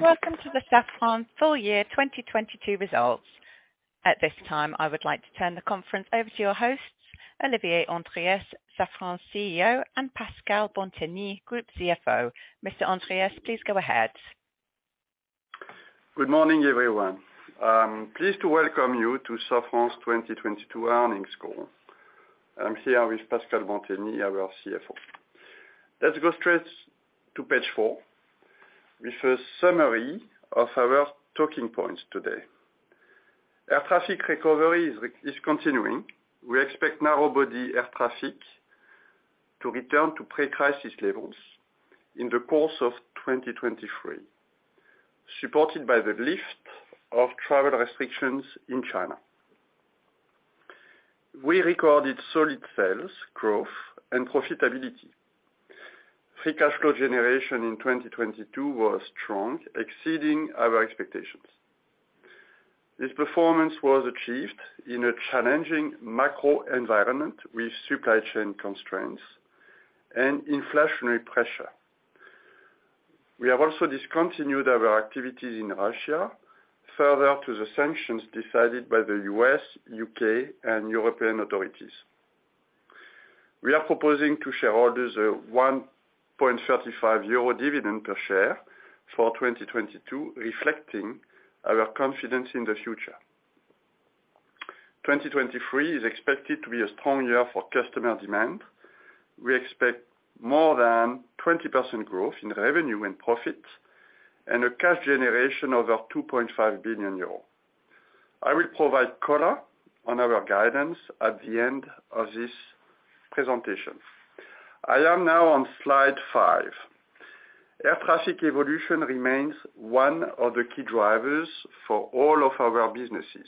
Welcome to the Safran Full Year 2022 Results. At this time, I would like to turn the conference over to your hosts, Olivier Andriès, Safran CEO, and Pascal Bantegnie, Group CFO. Mr. Andriès, please go ahead. Good morning, everyone. I'm pleased to welcome you to Safran's 2022 Earnings Call. I'm here with Pascal Bantegnie, our CFO. Let's go straight to page four with a summary of our talking points today. Air traffic recovery is continuing. We expect narrowbody air traffic to return to pre-crisis levels in the course of 2023, supported by the lift of travel restrictions in China. We recorded solid sales growth and profitability. Free cash flow generation in 2022 was strong, exceeding our expectations. This performance was achieved in a challenging macro environment with supply chain constraints and inflationary pressure. We have also discontinued our activities in Russia, further to the sanctions decided by the U.S., U.K., and European authorities. We are proposing to shareholders a 1.35 euro dividend per share for 2022, reflecting our confidence in the future. 2023 is expected to be a strong year for customer demand. We expect more than 20% growth in revenue and profit, and a cash generation of 2.5 billion euros. I will provide color on our guidance at the end of this presentation. I am now on slide five. Air traffic evolution remains one of the key drivers for all of our businesses.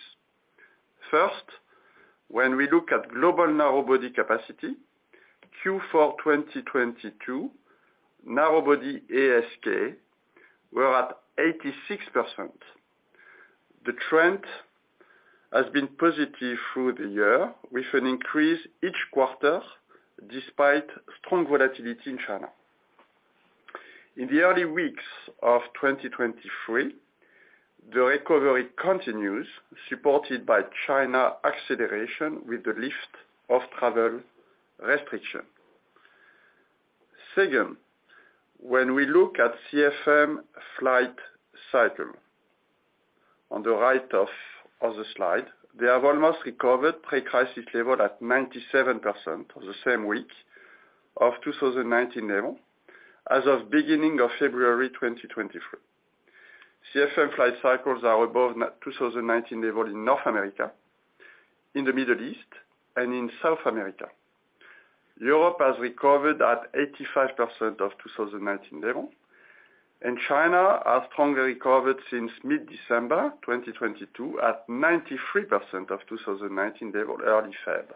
First, when we look at global narrowbody capacity, Q4 2022, narrowbody ASK were at 86%. The trend has been positive through the year, with an increase each quarter despite strong volatility in China. In the early weeks of 2023, the recovery continues, supported by China acceleration with the lift of travel restriction. Second, when we look at CFM flight cycle on the right of the slide, they have almost recovered pre-crisis level at 97% of the same week of 2019 level as of beginning of February 2023. CFM flight cycles are above 2019 level in North America, in the Middle East, and in South America. Europe has recovered at 85% of 2019 level. China has strongly recovered since mid-December 2022, at 93% of 2019 level early February.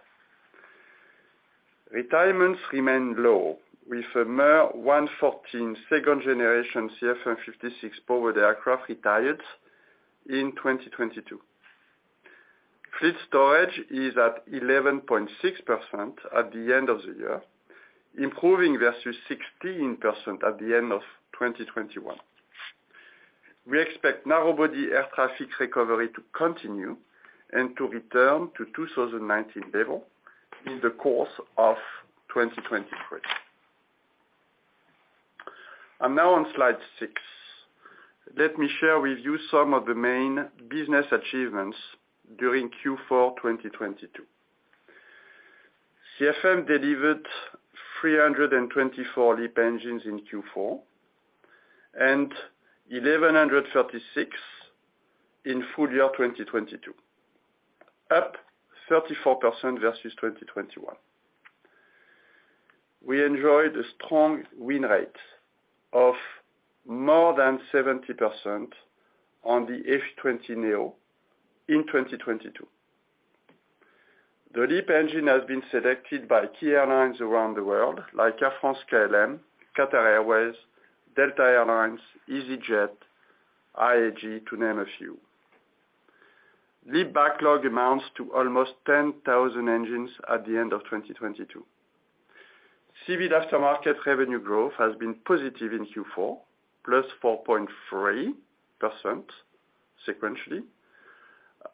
Retirements remain low, with a mere 114 second-generation CFM56 powered aircraft retired in 2022. Fleet storage is at 11.6% at the end of the year, improving versus 16% at the end of 2021. We expect narrowbody air traffic recovery to continue and to return to 2019 level in the course of 2023. I'm now on slide six. Let me share with you some of the main business achievements during Q4 2022. CFM delivered 324 LEAP engines in Q4, and 1,136 in full year 2022, up 34% versus 2021. We enjoyed a strong win rate of more than 70% on the A320neo in 2022. The LEAP engine has been selected by key airlines around the world, like Air France-KLM, Qatar Airways, Delta Air Lines, easyJet, IAG, to name a few. LEAP backlog amounts to almost 10,000 engines at the end of 2022. Civil aftermarket revenue growth has been positive in Q4, +4.3% sequentially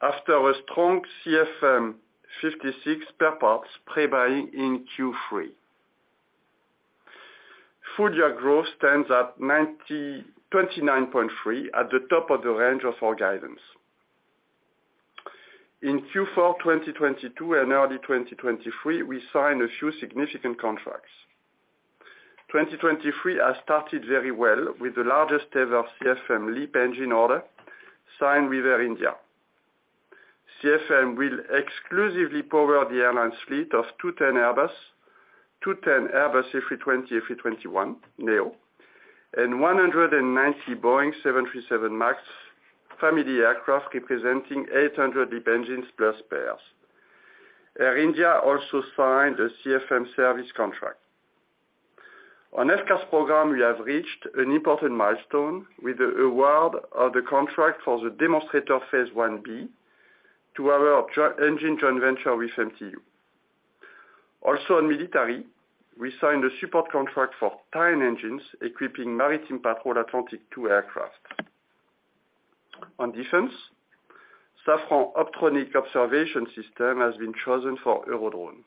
after a strong CFM56 spare parts pre-buy in Q3. Full year growth stands at 29.3% at the top of the range of our guidance. In Q4 2022 and early 2023, we signed a few significant contracts. 2023 has started very well with the largest ever CFM LEAP engine order signed with Air India. CFM will exclusively power the airline's fleet of 210 Airbus A320neo, A321neo, and 190 Boeing 737 MAX family aircraft, representing 800 LEAP engines plus spares. Air India also signed a CFM service contract. FCAS program, we have reached an important milestone with the award of the contract for the demonstrator phase I-B to our engine joint venture with MTU. On military, we signed a support contract for 10 engines equipping maritime patrol Atlantique 2 aircraft. On defense, Safran optronic observation system has been chosen for Eurodrone.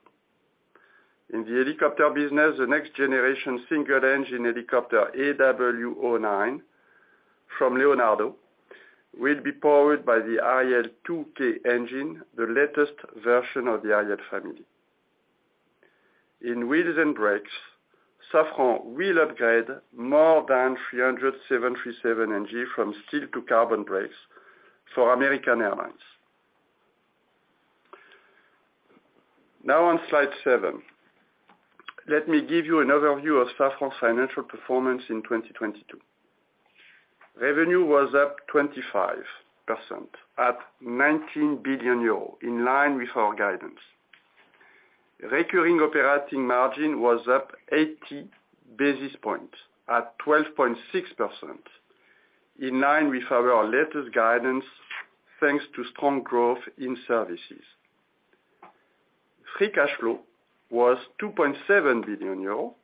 In the helicopter business, the next generation single engine helicopter, AW09 from Leonardo, will be powered by the Arriel 2K engine, the latest version of the Arriel family. In wheels and brakes, Safran will upgrade more than 300 737NG from steel to carbon brakes for American Airlines. On slide seven, let me give you an overview of Safran's financial performance in 2022. Revenue was up 25% at 19 billion euros, in line with our guidance. Recurring operating margin was up 80 basis points at 12.6%, in line with our latest guidance, thanks to strong growth in services. Free cash flow was 2.7 billion euro,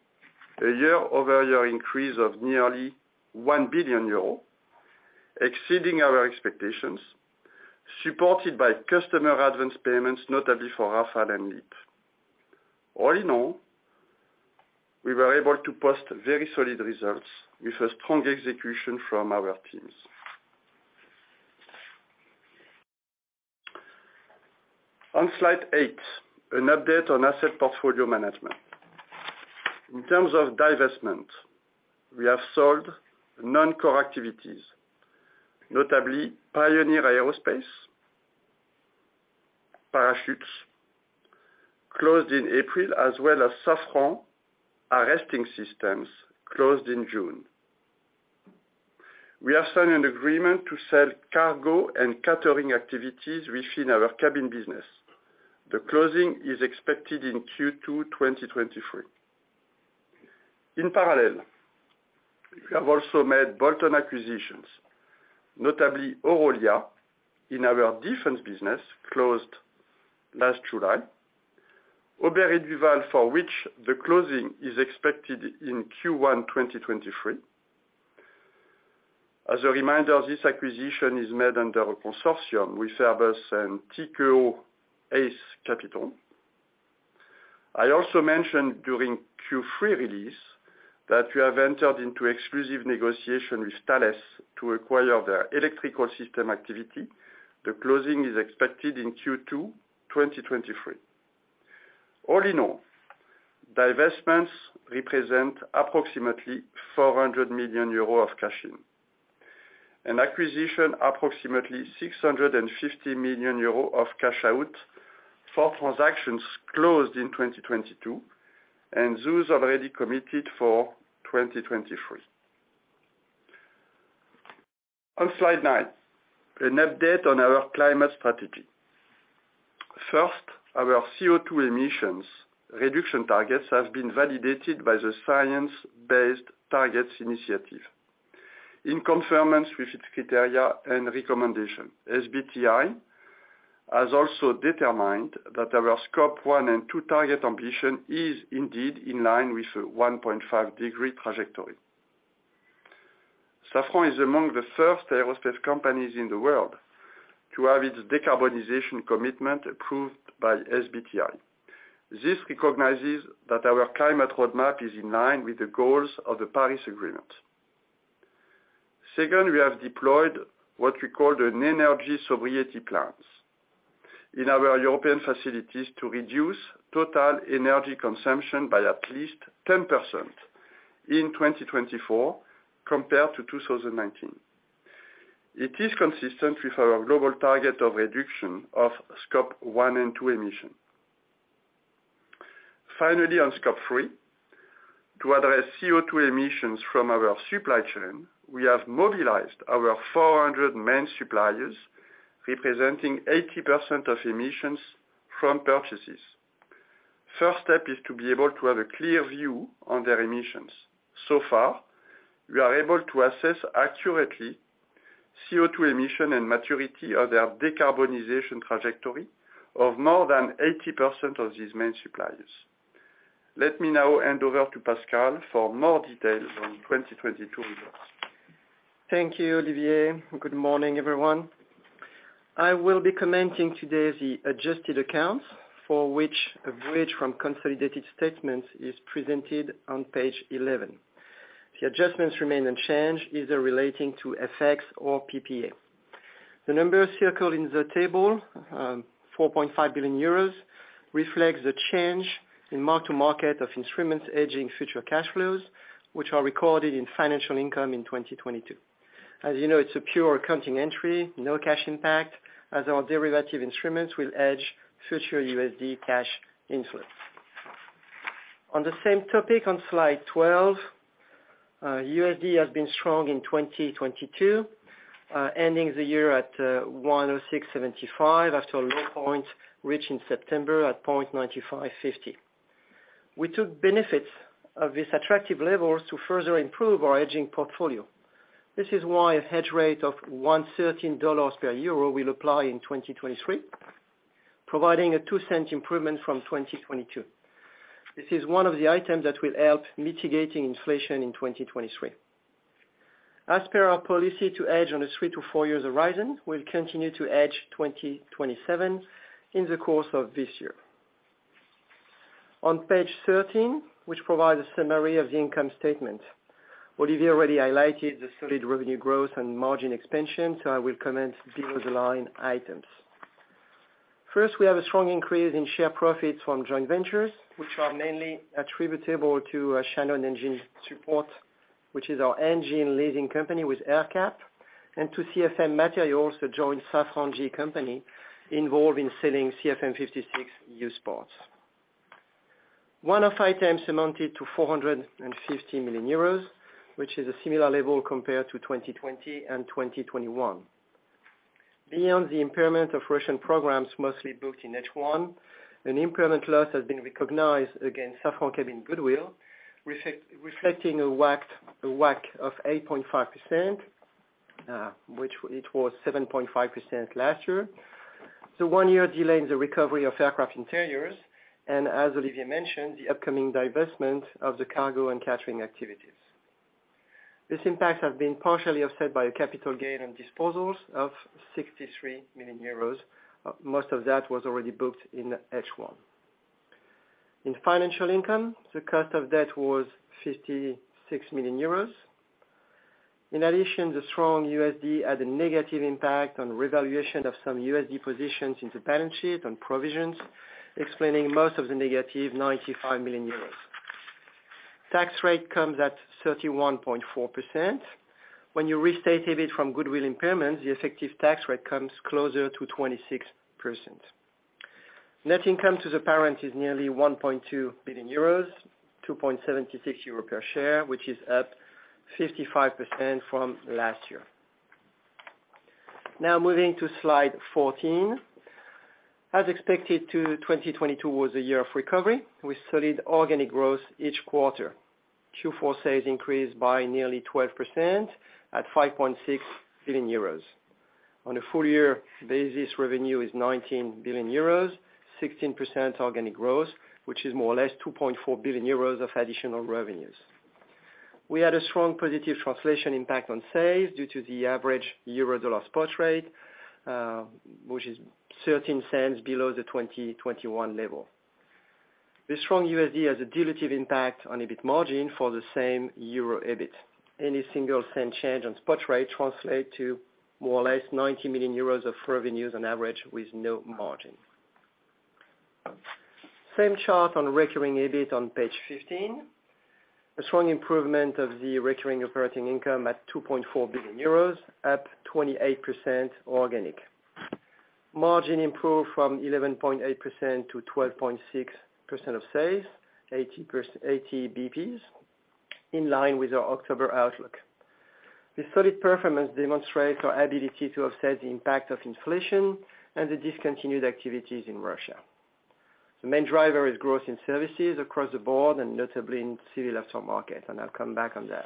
a year-over-year increase of nearly 1 billion euro, exceeding our expectations, supported by customer advance payments, notably for Rafale and LEAP. All in all, we were able to post very solid results with a strong execution from our teams. On slide eight, an update on asset portfolio management. In terms of divestment, we have sold non-core activities, notably, Pioneer Aerospace, Parachutes, closed in April, as well as Safran Arresting Systems, closed in June. We have signed an agreement to sell cargo and catering activities within our cabin business. The closing is expected in Q2 2023. In parallel, we have also made bolt-on acquisitions, notably, Orolia in our defense business, closed last July. Orolia, for which the closing is expected in Q1 2023. As a reminder, this acquisition is made under a consortium with Airbus and Tikehau Ace Capital. I also mentioned during Q3 release that we have entered into exclusive negotiation with Thales to acquire their electrical system activity. The closing is expected in Q2 2023. Divestments represent approximately 400 million euros of cash in, and acquisition approximately 650 million euros of cash out for transactions closed in 2022 and those already committed for 2023. On slide nine, an update on our climate strategy. First, our CO2 emissions reduction targets have been validated by the Science Based Targets initiative in conformance with its criteria and recommendation. SBTi has also determined that our Scope 1 and Scope 2 target ambition is indeed in line with a 1.5 degree trajectory. Safran is among the first aerospace companies in the world to have its decarbonization commitment approved by SBTi. This recognizes that our climate roadmap is in line with the goals of the Paris Agreement. Second, we have deployed what we call an energy sobriety plans in our European facilities to reduce total energy consumption by at least 10% in 2024 compared to 2019. It is consistent with our global target of reduction of Scope 1 and Scope 2 emissions. Finally, on Scope 3, to address CO2 emissions from our supply chain, we have mobilized over 400 main suppliers representing 80% of emissions from purchases. First step is to be able to have a clear view on their emissions. So far, we are able to assess accurately CO2 emissions and maturity of their decarbonization trajectory of more than 80% of these main suppliers. Let me now hand over to Pascal for more details on 2022 results. Thank you, Olivier. Good morning, everyone. I will be commenting today the adjusted accounts for which a bridge from consolidated statements is presented on page 11. The adjustments remain unchanged, either relating to FX or PPA. The numbers circled in the table, 4.5 billion euros, reflects the change in mark-to-market of instruments hedging future cash flows, which are recorded in financial income in 2022. As you know, it's a pure accounting entry, no cash impact, as our derivative instruments will hedge future USD cash inflows. On the same topic on slide 12, USD has been strong in 2022, ending the year at 1.0675 after a low point reached in September at 0.9550. We took benefits of these attractive levels to further improve our hedging portfolio. This is why a hedge rate of $1.13 per EUR will apply in 2023, providing a 0.02 improvement from 2022. This is one of the items that will help mitigating inflation in 2023. As per our policy to hedge on a three to four years horizon, we'll continue to hedge 2027 in the course of this year. On page 13, which provides a summary of the income statement. Olivier already highlighted the solid revenue growth and margin expansion, I will comment below the line items. First, we have a strong increase in share profits from joint ventures, which are mainly attributable to Shannon Engine Support, which is our engine leasing company with AerCap, and to CFM Materials, the joint Safran-GE joint company involved in selling CFM56 used parts. One-off items amounted to 450 million euros, which is a similar level compared to 2020 and 2021. Beyond the impairment of Russian programs, mostly booked in H1, an impairment loss has been recognized against Safran Cabin goodwill, reflecting a whack of 8.5%, which it was 7.5% last year. The one year delay in the recovery of aircraft interiors, and as Olivier mentioned, the upcoming divestment of the cargo and catering activities. This impact has been partially offset by a capital gain and disposals of 63 million euros. Most of that was already booked in H1. In financial income, the cost of debt was 56 million euros. In addition, the strong USD had a negative impact on revaluation of some USD positions into balance sheet and provisions, explaining most of the negative 95 million euros. Tax rate comes at 31.4%. When you restate EBIT from goodwill impairment, the effective tax rate comes closer to 26%. Net income to the parent is nearly 1.2 billion euros, 2.76 euro per share, which is up 55% from last year. Now moving to slide 14. As expected to 2022 was a year of recovery with solid organic growth each quarter. Q4 sales increased by nearly 12% at 5.6 billion euros. On a full year basis, revenue is 19 billion euros, 16% organic growth, which is more or less 2.4 billion euros of additional revenues. We had a strong positive translation impact on sales due to the average euro-dollar spot rate, which is 0.13 below the 2021 level. The strong USD has a dilutive impact on EBIT margin for the same euro EBIT. Any single cent change on spot rate translate to more or less 90 million euros of revenues on average with no margin. Same chart on recurring EBIT on page 15. A strong improvement of the recurring operating income at 2.4 billion euros, up 28% organic. Margin improved from 11.8% to 12.6% of sales, 80 basis points, in line with our October outlook. This solid performance demonstrates our ability to offset the impact of inflation and the discontinued activities in Russia. The main driver is growth in services across the board and notably in civil aftermarket. I'll come back on that.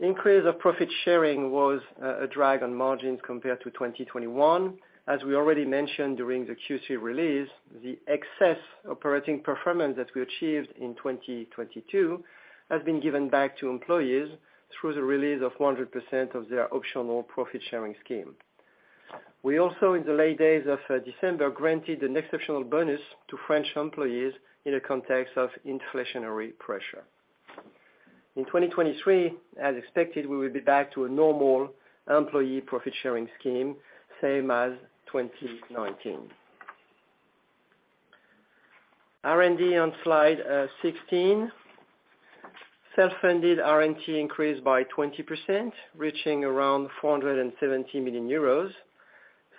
Increase of profit sharing was a drag on margins compared to 2021. As we already mentioned during the Q3 release, the excess operating performance that we achieved in 2022 has been given back to employees through the release of 100% of their optional profit-sharing scheme. We also in the late days of December, granted an exceptional bonus to French employees in the context of inflationary pressure. In 2023, as expected, we will be back to a normal employee profit-sharing scheme, same as 2019. R&D on slide 16. Self-funded R&D increased by 20%, reaching around 470 million euros.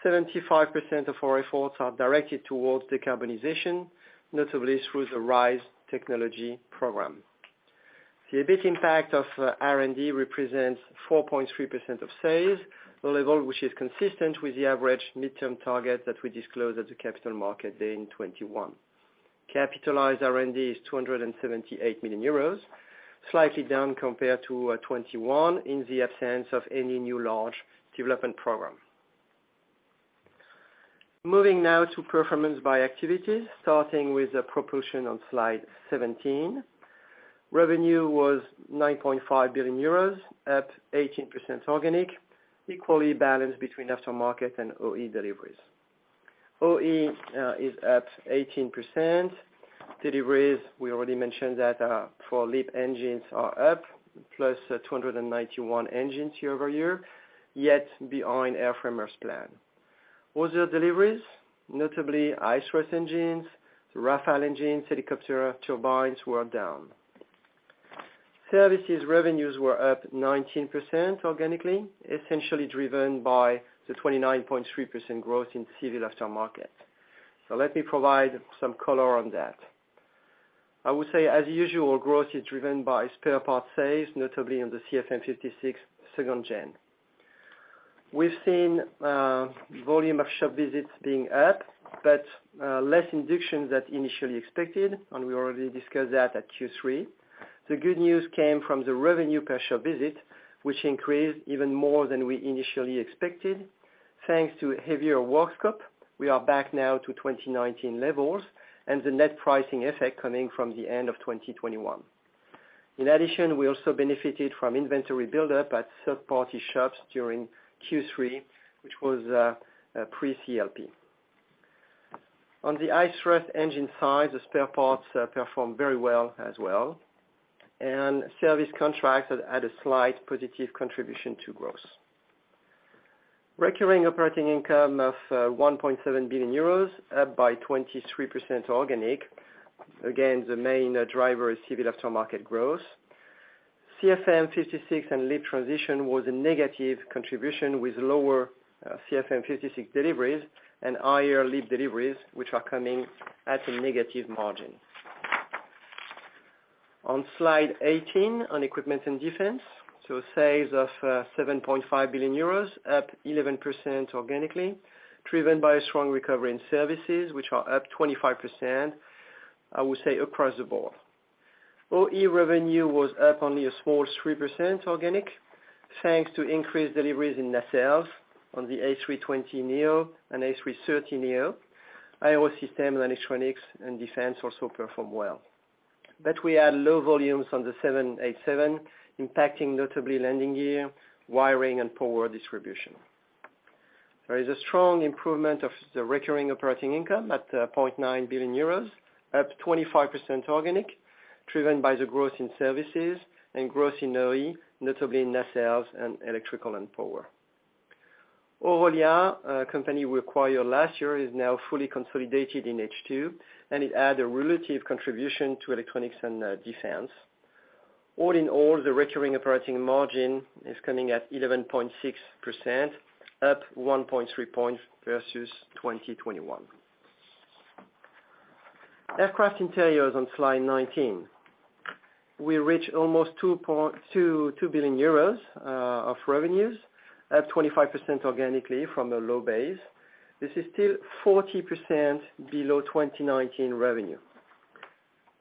75% of our efforts are directed towards decarbonization, notably through the RISE technology program. The EBIT impact of R&D represents 4.3% of sales, a level which is consistent with the average midterm target that we disclosed at the capital market day in 2021. Capitalized R&D is 278 million euros, slightly down compared to 2021 in the absence of any new large development program. Moving now to performance by activities, starting with the propulsion on slide 17. Revenue was 9.5 billion euros, up 18% organic, equally balanced between aftermarket and OE deliveries. OE is up 18%. Deliveries, we already mentioned that for LEAP engines are up, plus 291 engines year-over-year, yet behind airframers plan. Other deliveries, notably high source engines, Rafale engines, helicopter turbines were down. Services revenues were up 19% organically, essentially driven by the 29.3% growth in civil aftermarket. Let me provide some color on that. I would say, as usual, growth is driven by spare parts sales, notably on the CFM56 second gen. We've seen volume of shop visits being up, but less inductions than initially expected, and we already discussed that at Q3. The good news came from the revenue per shop visit, which increased even more than we initially expected. Thanks to heavier work scope, we are back now to 2019 levels, and the net pricing effect coming from the end of 2021. In addition, we also benefited from inventory buildup at third-party shops during Q3, which was pre-LEAP. On the IFRS engine side, the spare parts performed very well as well, and service contracts had a slight positive contribution to growth. Recurring operating income of 1.7 billion euros, up by 23% organic. Again, the main driver is civil aftermarket growth. CFM56 and LEAP transition was a negative contribution with lower CFM56 deliveries and higher LEAP deliveries, which are coming at a negative margin. On slide 18, on Equipment and Defense. Sales of 7.5 billion euros, up 11% organically, driven by a strong recovery in services which are up 25%, I would say, across the board. OE revenue was up only a small 3% organic, thanks to increased deliveries in Nacelles on the A320neo and A330neo. Aero systems, electronics and defense also performed well. We had low volumes on the 787, impacting notably landing gear, wiring and power distribution. There is a strong improvement of the recurring operating income at 0.9 billion euros, up 25% organic, driven by the growth in services and growth in OE, notably in Nacelles and electrical and power. Orolia, a company we acquired last year, is now fully consolidated in H2. It added a relative contribution to electronics and defense. All in all, the recurring operating margin is coming at 11.6%, up 1.3 points versus 2021. Aircraft Interiors on slide 19. We reached almost 2.2 billion euros of revenues, up 25% organically from a low base. This is still 40% below 2019 revenue.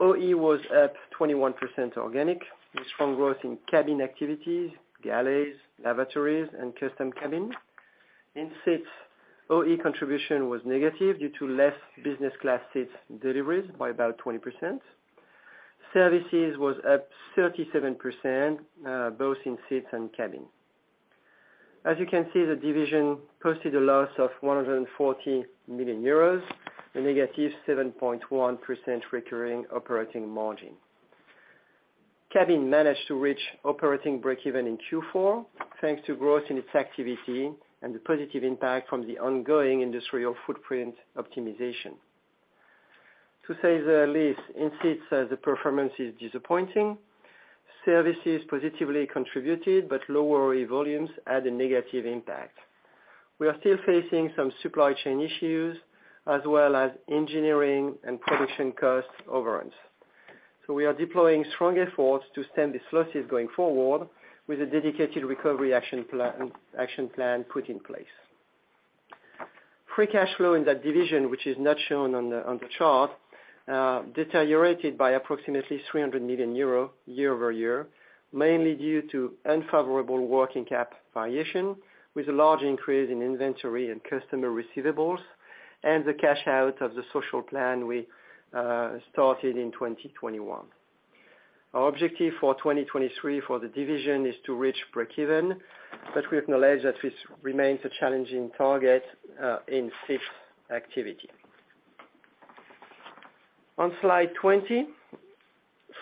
OE was up 21% organic, with strong growth in cabin activities, galleys, lavatories, and custom cabins. In seats, OE contribution was negative due to less business class seats deliveries by about 20%. Services was up 37%, both in seats and cabin. As you can see, the division posted a loss of 140 million euros, a -7.1% recurring operating margin. Cabin managed to reach operating break-even in Q4, thanks to growth in its activity and the positive impact from the ongoing industrial footprint optimization. To say the least, in Seats, the performance is disappointing. Services positively contributed, but lower OE volumes had a negative impact. We are still facing some supply chain issues as well as engineering and production cost overruns. We are deploying strong efforts to stem these losses going forward with a dedicated recovery action plan put in place. Free cash flow in that division, which is not shown on the chart, deteriorated by approximately 300 million euro year-over-year, mainly due to unfavorable working cap variation, with a large increase in inventory and customer receivables and the cash out of the social plan we started in 2021. Our objective for 2023 for the division is to reach breakeven, we acknowledge that this remains a challenging target in seats activity. On slide 20,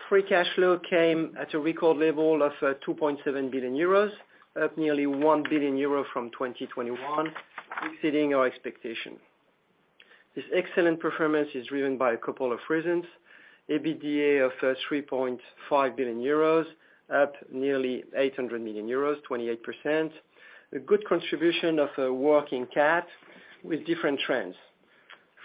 free cash flow came at a record level of 2.7 billion euros, up nearly 1 billion euro from 2021, exceeding our expectation. This excellent performance is driven by a couple of reasons. EBITDA of 3.5 billion euros, up nearly 800 million euros, 28%. A good contribution of a working cap with different trends.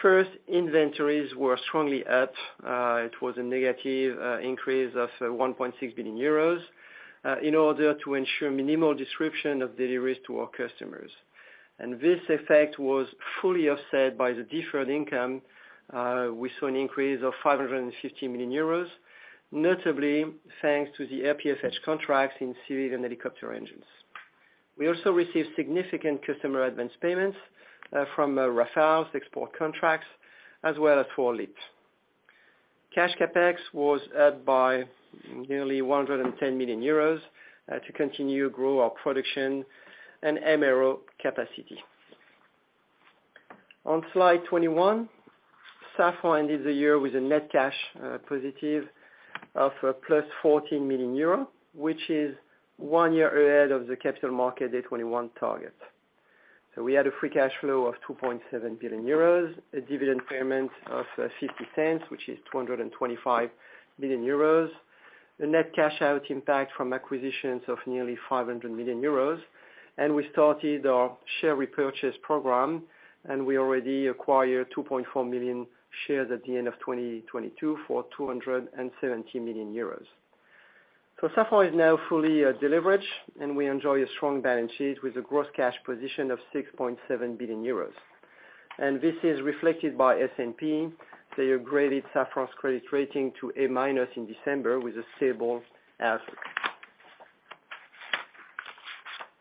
First, inventories were strongly up. It was a negative increase of 1.6 billion euros in order to ensure minimal disruption of deliveries to our customers. This effect was fully offset by the deferred income. We saw an increase of 550 million euros, notably thanks to the RPFH contracts in civil and helicopter engines. We also received significant customer advance payments from Rafale export contracts as well as for LEAP. Cash CapEx was up by nearly 110 million euros to continue grow our production and MRO capacity. On slide 21, Safran ended the year with a net cash positive of +14 million euros, which is one year ahead of the capital market at 21 target. We had a free cash flow of 2.7 billion euros, a dividend payment of 0.50, which is 225 million euros. The net cash out impact from acquisitions of nearly 500 million euros. We started our share repurchase program, and we already acquired 2.4 million shares at the end of 2022 for 270 million euros. Safran is now fully deleveraged, and we enjoy a strong balance sheet with a gross cash position of 6.7 billion euros. This is reflected by S&P. They upgraded Safran's credit rating to A-minus in December with a stable outlook.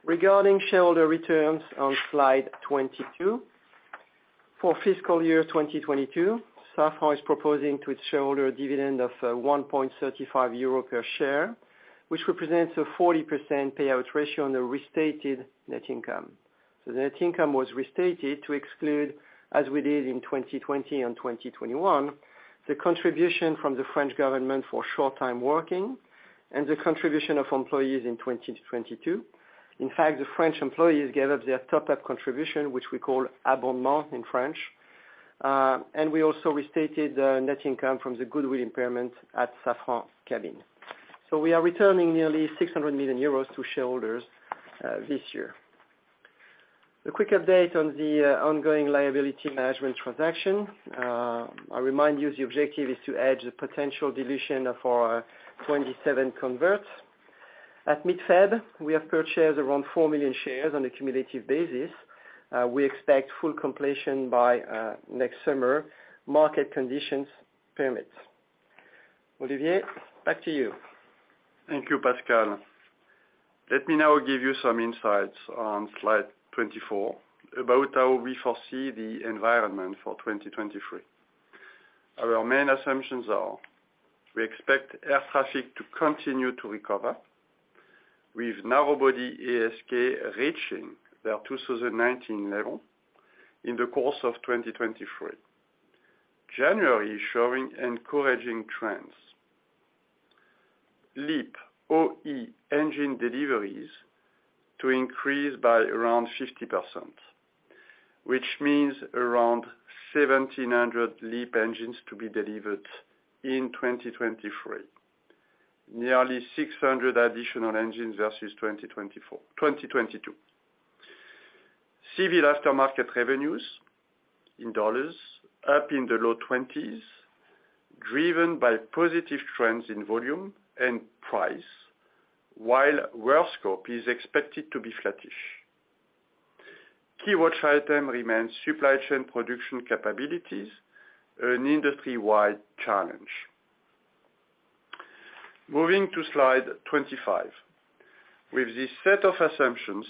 Regarding shareholder returns on slide 22, for fiscal year 2022, Safran is proposing to its shareholder a dividend of 1.35 euro per share, which represents a 40% payout ratio on the restated net income. The net income was restated to exclude, as we did in 2020 and 2021, the contribution from the French government for short time working and the contribution of employees in 2022. In fact, the French employees gave up their top-up contribution, which we call abonnement in French. We also restated net income from the goodwill impairment at Safran Cabin. We are returning nearly 600 million euros to shareholders this year. A quick update on the ongoing liability management transaction. I remind you the objective is to hedge the potential dilution of our 2027 converts. At mid-Feb, we have purchased around 4 million shares on a cumulative basis. We expect full completion by next summer, market conditions permit. Olivier, back to you. Thank you, Pascal. Let me now give you some insights on slide 24 about how we foresee the environment for 2023. Our main assumptions are we expect air traffic to continue to recover, with narrowbody ASK reaching their 2019 level in the course of 2023. January showing encouraging trends. LEAP OE engine deliveries to increase by around 50%, which means around 1,700 LEAP engines to be delivered in 2023. Nearly 600 additional engines versus 2022. Civil aftermarket revenues in U.S. dollars up in the low 20s%, driven by positive trends in volume and price, while work scope is expected to be flattish. Key watch item remains supply chain production capabilities, an industry-wide challenge. Moving to slide 25. With this set of assumptions,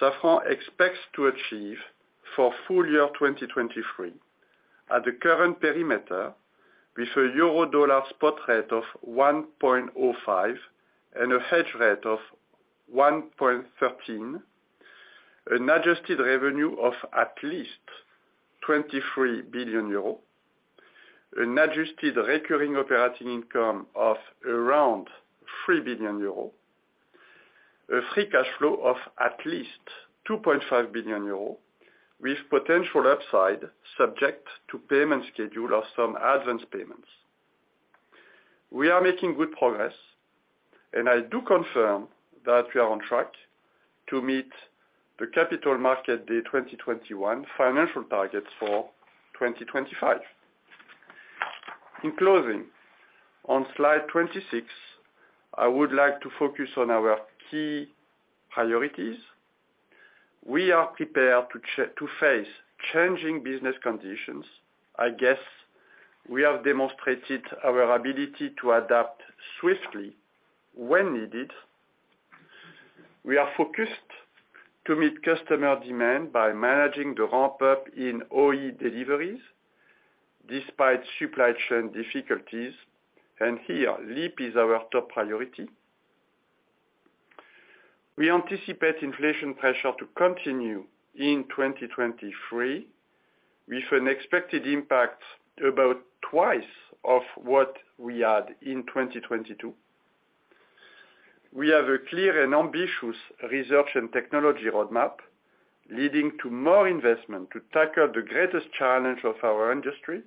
Safran expects to achieve for full year 2023 at the current perimeter with a euro dollar spot rate of 1.05 and a hedge rate of 1.13, an adjusted revenue of at least 23 billion euros, an adjusted recurring operating income of around 3 billion euro, a free cash flow of at least 2.5 billion euro, with potential upside subject to payment schedule or some advanced payments. We are making good progress. I do confirm that we are on track to meet the capital market, the 2021 financial targets for 2025. In closing, on slide 26, I would like to focus on our key priorities. We are prepared to face changing business conditions. I guess we have demonstrated our ability to adapt swiftly when needed. We are focused to meet customer demand by managing the ramp up in OE deliveries despite supply chain difficulties. Here, LEAP is our top priority. We anticipate inflation pressure to continue in 2023, with an expected impact about twice of what we had in 2022. We have a clear and ambitious research and technology roadmap leading to more investment to tackle the greatest challenge of our industry,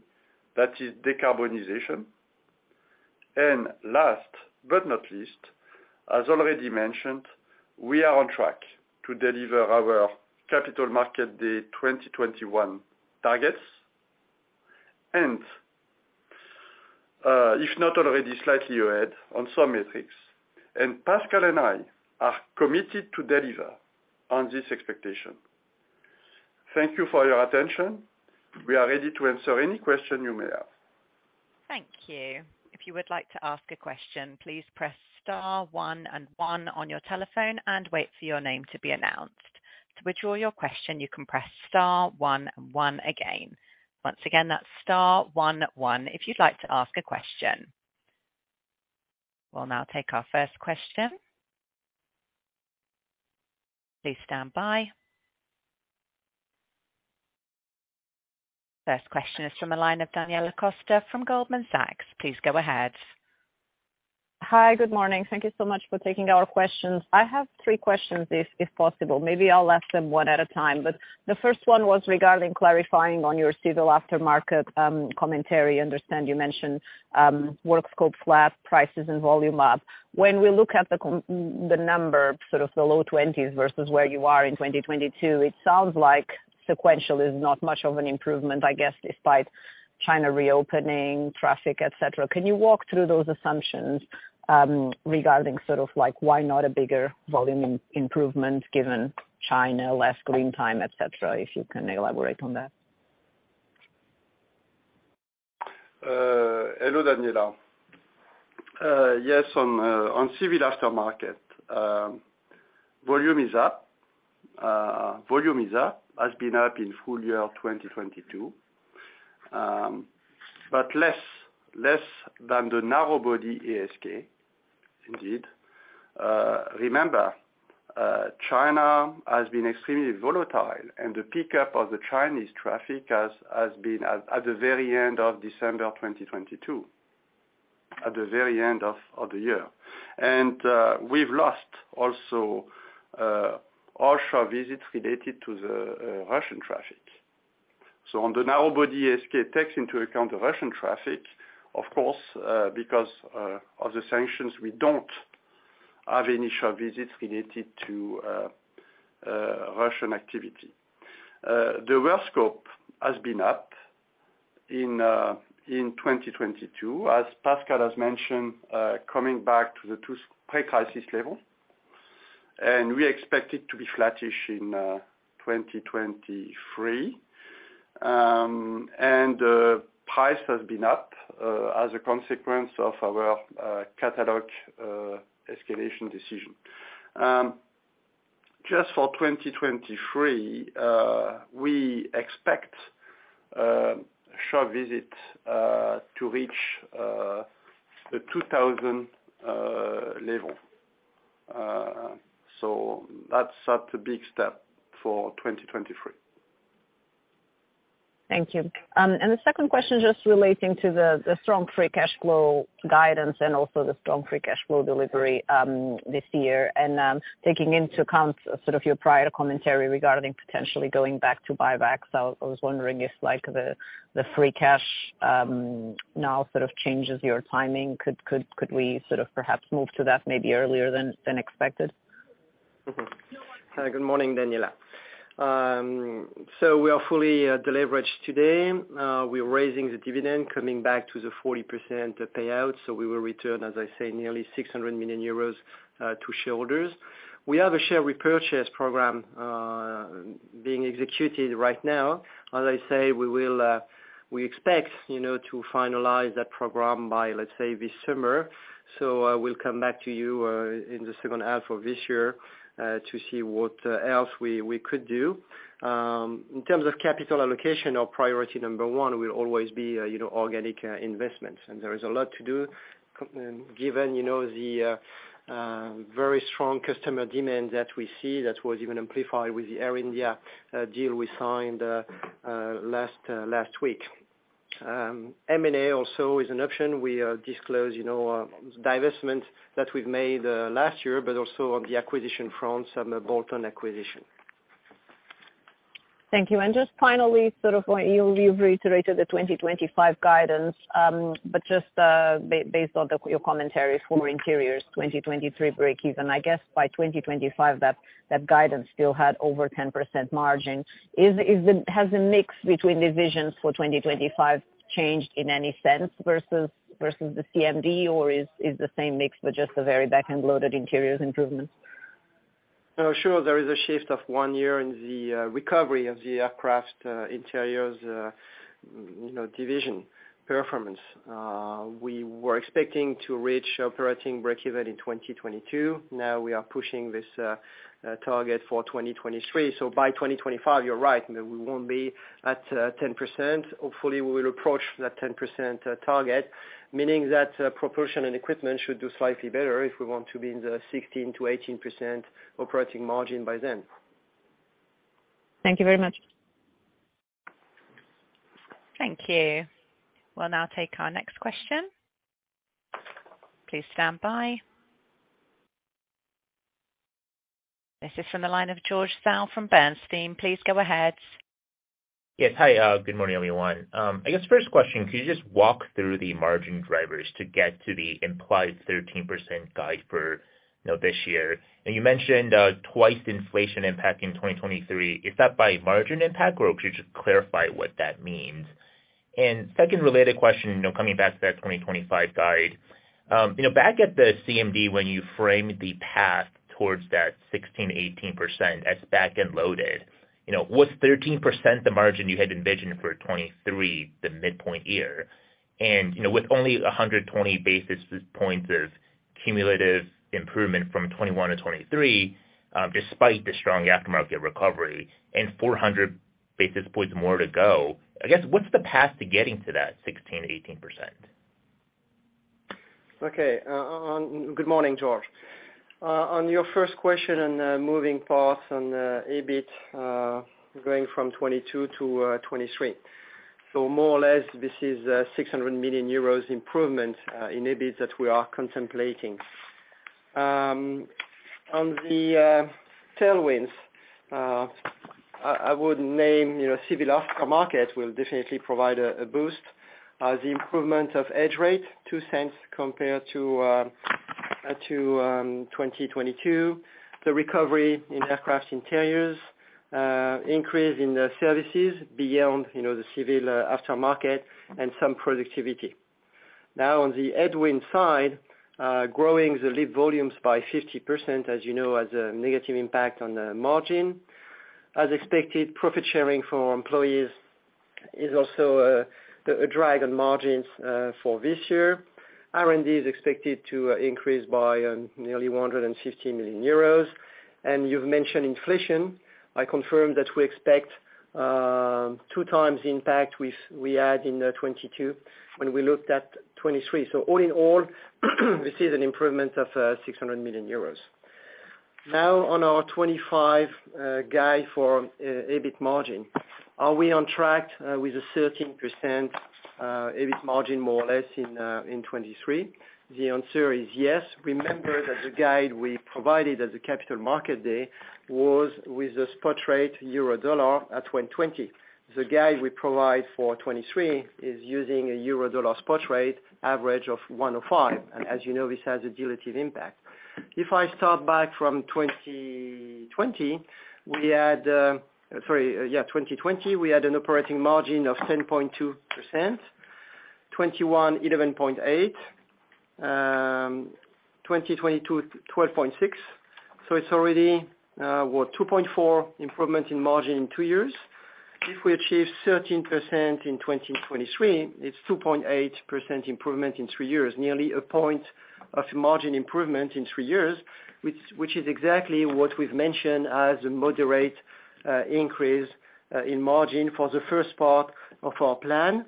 that is decarbonization. Last but not least, as already mentioned, we are on track to deliver our capital market, the 2021 targets. if not already slightly ahead on some metrics. Pascal and I are committed to deliver on this expectation. Thank you for your attention. We are ready to answer any question you may have. Thank you. If you would like to ask a question, please press star one and one on your telephone and wait for your name to be announced. To withdraw your question, you can press star one one again. Once again, that's star one one if you'd like to ask a question. We'll now take our first question. Please stand by. First question is from the line of Daniela Costa from Goldman Sachs. Please go ahead. Hi. Good morning. Thank you so much for taking our questions. I have three questions if possible. Maybe I'll ask them one at a time, but the first one was regarding clarifying on your civil aftermarket commentary. I understand you mentioned work scope flat, prices and volume up. When we look at the number, sort of the low 20s versus where you are in 2022, it sounds like sequential is not much of an improvement, I guess, despite China reopening traffic, et cetera. Can you walk through those assumptions regarding sort of like, why not a bigger volume improvement given China, less green time, et cetera, if you can elaborate on that? Hello, Daniela. Yes, on civil aftermarket, volume is up, has been up in full year 2022. Less than the narrowbody ASK indeed. Remember, China has been extremely volatile and the pickup of the Chinese traffic has been at the very end of December 2022, at the very end of the year. We've lost also all shop visits related to the Russian traffic. On the narrowbody, ASK takes into account the Russian traffic. Of course, because of the sanctions, we don't have initial visits related to Russian activity. The scope has been up in 2022, as Pascal has mentioned, coming back to the two pre-crisis level, and we expect it to be flattish in 2023. Price has been up as a consequence of our catalog escalation decision. Just for 2023, we expect shop visit to reach the 2,000 level. That's up a big step for 2023. Thank you. The second question just relating to the strong free cash flow guidance and also the strong free cash flow delivery this year. Taking into account sort of your prior commentary regarding potentially going back to buybacks, I was wondering if like the free cash now sort of changes your timing. Could we sort of perhaps move to that maybe earlier than expected? Good morning, Daniela. We are fully deleveraged today. We're raising the dividend coming back to the 40% payout, we will return, as I say, nearly 600 million euros to shareholders. We have a share repurchase program being executed right now. As I say, we will, we expect, you know, to finalize that program by, let's say, this summer. We'll come back to you in the second half of this year to see what else we could do. In terms of capital allocation, our priority number one will always be, you know, organic investments. There is a lot to do given, you know, the very strong customer demand that we see that was even amplified with the Air India deal we signed last week. M&A also is an option. We disclose, you know, divestment that we've made last year, but also on the acquisition front, some bolt-on acquisition. Thank you. Just finally, sort of what you've reiterated the 2025 guidance. Just based on the, your commentary for interiors, 2023 breakeven, I guess by 2025 that guidance still had over 10% margin. Has the mix between divisions for 2025 changed in any sense versus the CMD, or is the same mix but just a very back-end loaded interiors improvement? Sure. There is a shift of one year in the recovery of the aircraft interiors, you know, division performance. We were expecting to reach operating breakeven in 2022. Now we are pushing this target for 2023. By 2025, you're right, we won't be at 10%. Hopefully, we will approach that 10% target, meaning that proportion and equipment should do slightly better if we want to be in the 16%-18% operating margin by then. Thank you very much. Thank you. We'll now take our next question. Please stand by. This is from the line of George Zhao from Bernstein. Please go ahead. Yes. Hi. Good morning, everyone. I guess first question, could you just walk through the margin drivers to get to the implied 13% guide for, you know, this year? You mentioned twice the inflation impact in 2023. Is that by margin impact, or could you just clarify what that means? Second related question, you know, coming back to that 2025 guide. You know, back at the CMD when you framed the path towards that 16%-18% as back and loaded, you know, was 13% the margin you had envisioned for 2023, the midpoint year? You know, with only 120 basis points of cumulative improvement from 2021 to 2023, despite the strong aftermarket recovery and 400 basis points more to go, I guess what's the path to getting to that 16%-18%? Good morning, George. On your first question on moving parts on the EBIT, going from 2022 to 2023. More or less, this is 600 million euros improvement in EBIT that we are contemplating. On the tailwinds, I would name, you know, civil aftermarket will definitely provide a boost. The improvement of edge rate, 0.02 compared to 2022. The recovery in aircraft interiors, increase in the services beyond, you know, the civil aftermarket and some productivity. On the headwind side, growing the LEAP volumes by 50%, as you know, has a negative impact on the margin. As expected, profit sharing for our employees is also a drag on margins for this year. R&D is expected to increase by nearly 150 million euros. You've mentioned inflation. I confirm that we expect 2x the impact we had in 2022 when we looked at 2023. All in all, this is an improvement of 600 million euros. On our 2025 guide for EBIT margin. Are we on track with a 13% EBIT margin more or less in 2023? The answer is yes. Remember that the guide we provided at the capital market day was with a spot rate euro-dollar at 1.20. The guide we provide for 2023 is using a euro-dollar spot rate average of 1.05. You know, this has a dilutive impact. If I start back from 2020, we had... Sorry. 2020, we had an operating margin of 10.2%. 2021, 11.8%. 2022, 12.6%. It's already, what, 2.4% improvement in margin in two years. If we achieve 13% in 2023, it's 2.8% improvement in three years, nearly a point of margin improvement in three years, which is exactly what we've mentioned as a moderate increase in margin for the first part of our plan.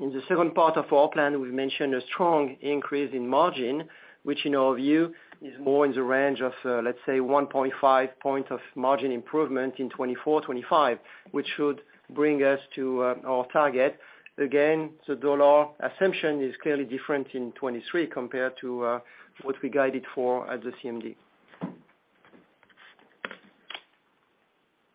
In the second part of our plan, we've mentioned a strong increase in margin, which in our view is more in the range of, let's say 1.5 points of margin improvement in 2024, 2025, which should bring us to our target. Again, the dollar assumption is clearly different in 2023 compared to what we guided for at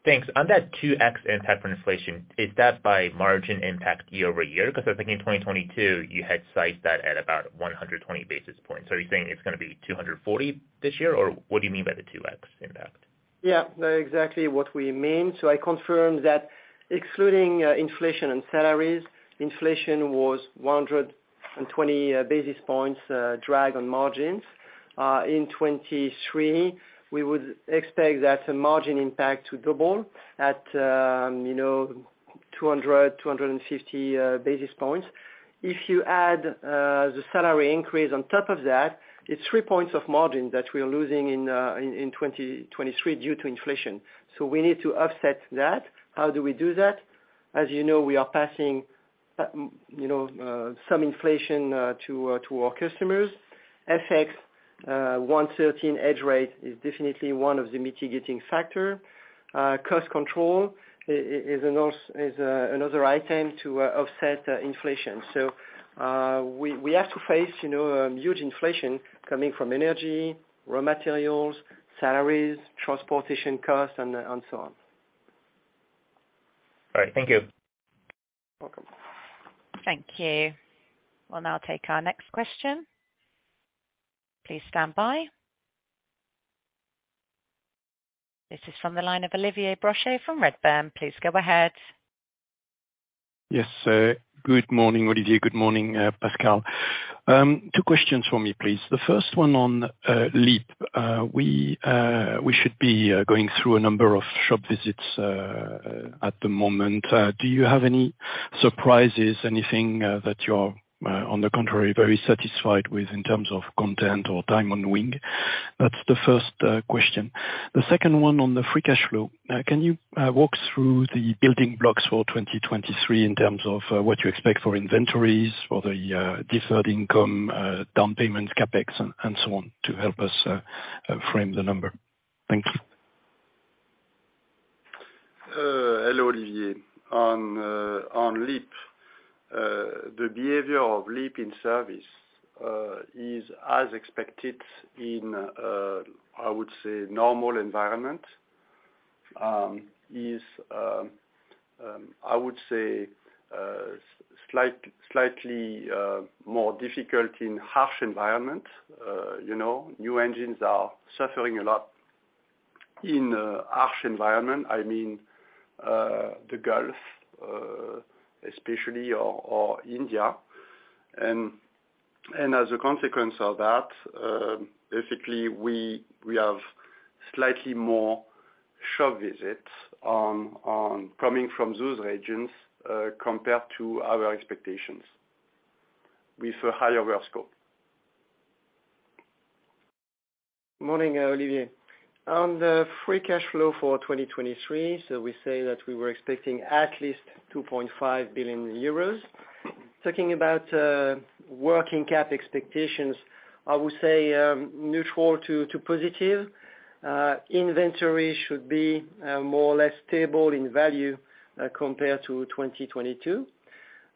the CMD. Thanks. On that 2x impact for inflation, is that by margin impact year-over-year? I think in 2022, you had sized that at about 120 basis points. Are you saying it's gonna be 240 this year, or what do you mean by the 2x impact? Yeah, exactly what we mean. I confirm that excluding inflation and salaries, inflation was 120 basis points drag on margins. In 2023, we would expect that margin impact to double at, you know, 200-250 basis points. If you add the salary increase on top of that, it's 3 points of margin that we are losing in 2023 due to inflation. We need to offset that. How do we do that? As you know, we are passing, you know, some inflation to our customers. FX 1.13 hedge rate is definitely one of the mitigating factor. Cost control is another item to offset inflation. We have to face, you know, huge inflation coming from energy, raw materials, salaries, transportation costs, and so on. All right. Thank you. Welcome. Thank you. We'll now take our next question. Please stand by. This is from the line of Olivier Brochet from Redburn. Please go ahead. Yes, good morning, Olivier. Good morning, Pascal. Two questions from me, please. The first one on LEAP. We should be going through a number of shop visits at the moment. Do you have any surprises, anything that you're on the contrary, very satisfied with in terms of content or time on wing? That's the first question. The second one on the free cash flow. Can you walk through the building blocks for 2023 in terms of what you expect for inventories, for the deferred income, down payments, CapEx, and so on to help us frame the number? Thank you. Hello, Olivier. On LEAP, the behavior of LEAP in service is as expected in a normal environment. Is, I would say, slightly more difficult in harsh environment. You know, new engines are suffering a lot in a harsh environment. I mean, the Gulf especially or India. As a consequence of that, basically we have slightly more shop visits coming from those regions compared to our expectations with a higher wear scope. Morning, Olivier. On the free cash flow for 2023, we say that we were expecting at least 2.5 billion euros. Talking about working cap expectations, I would say, neutral to positive. Inventory should be more or less stable in value compared to 2022.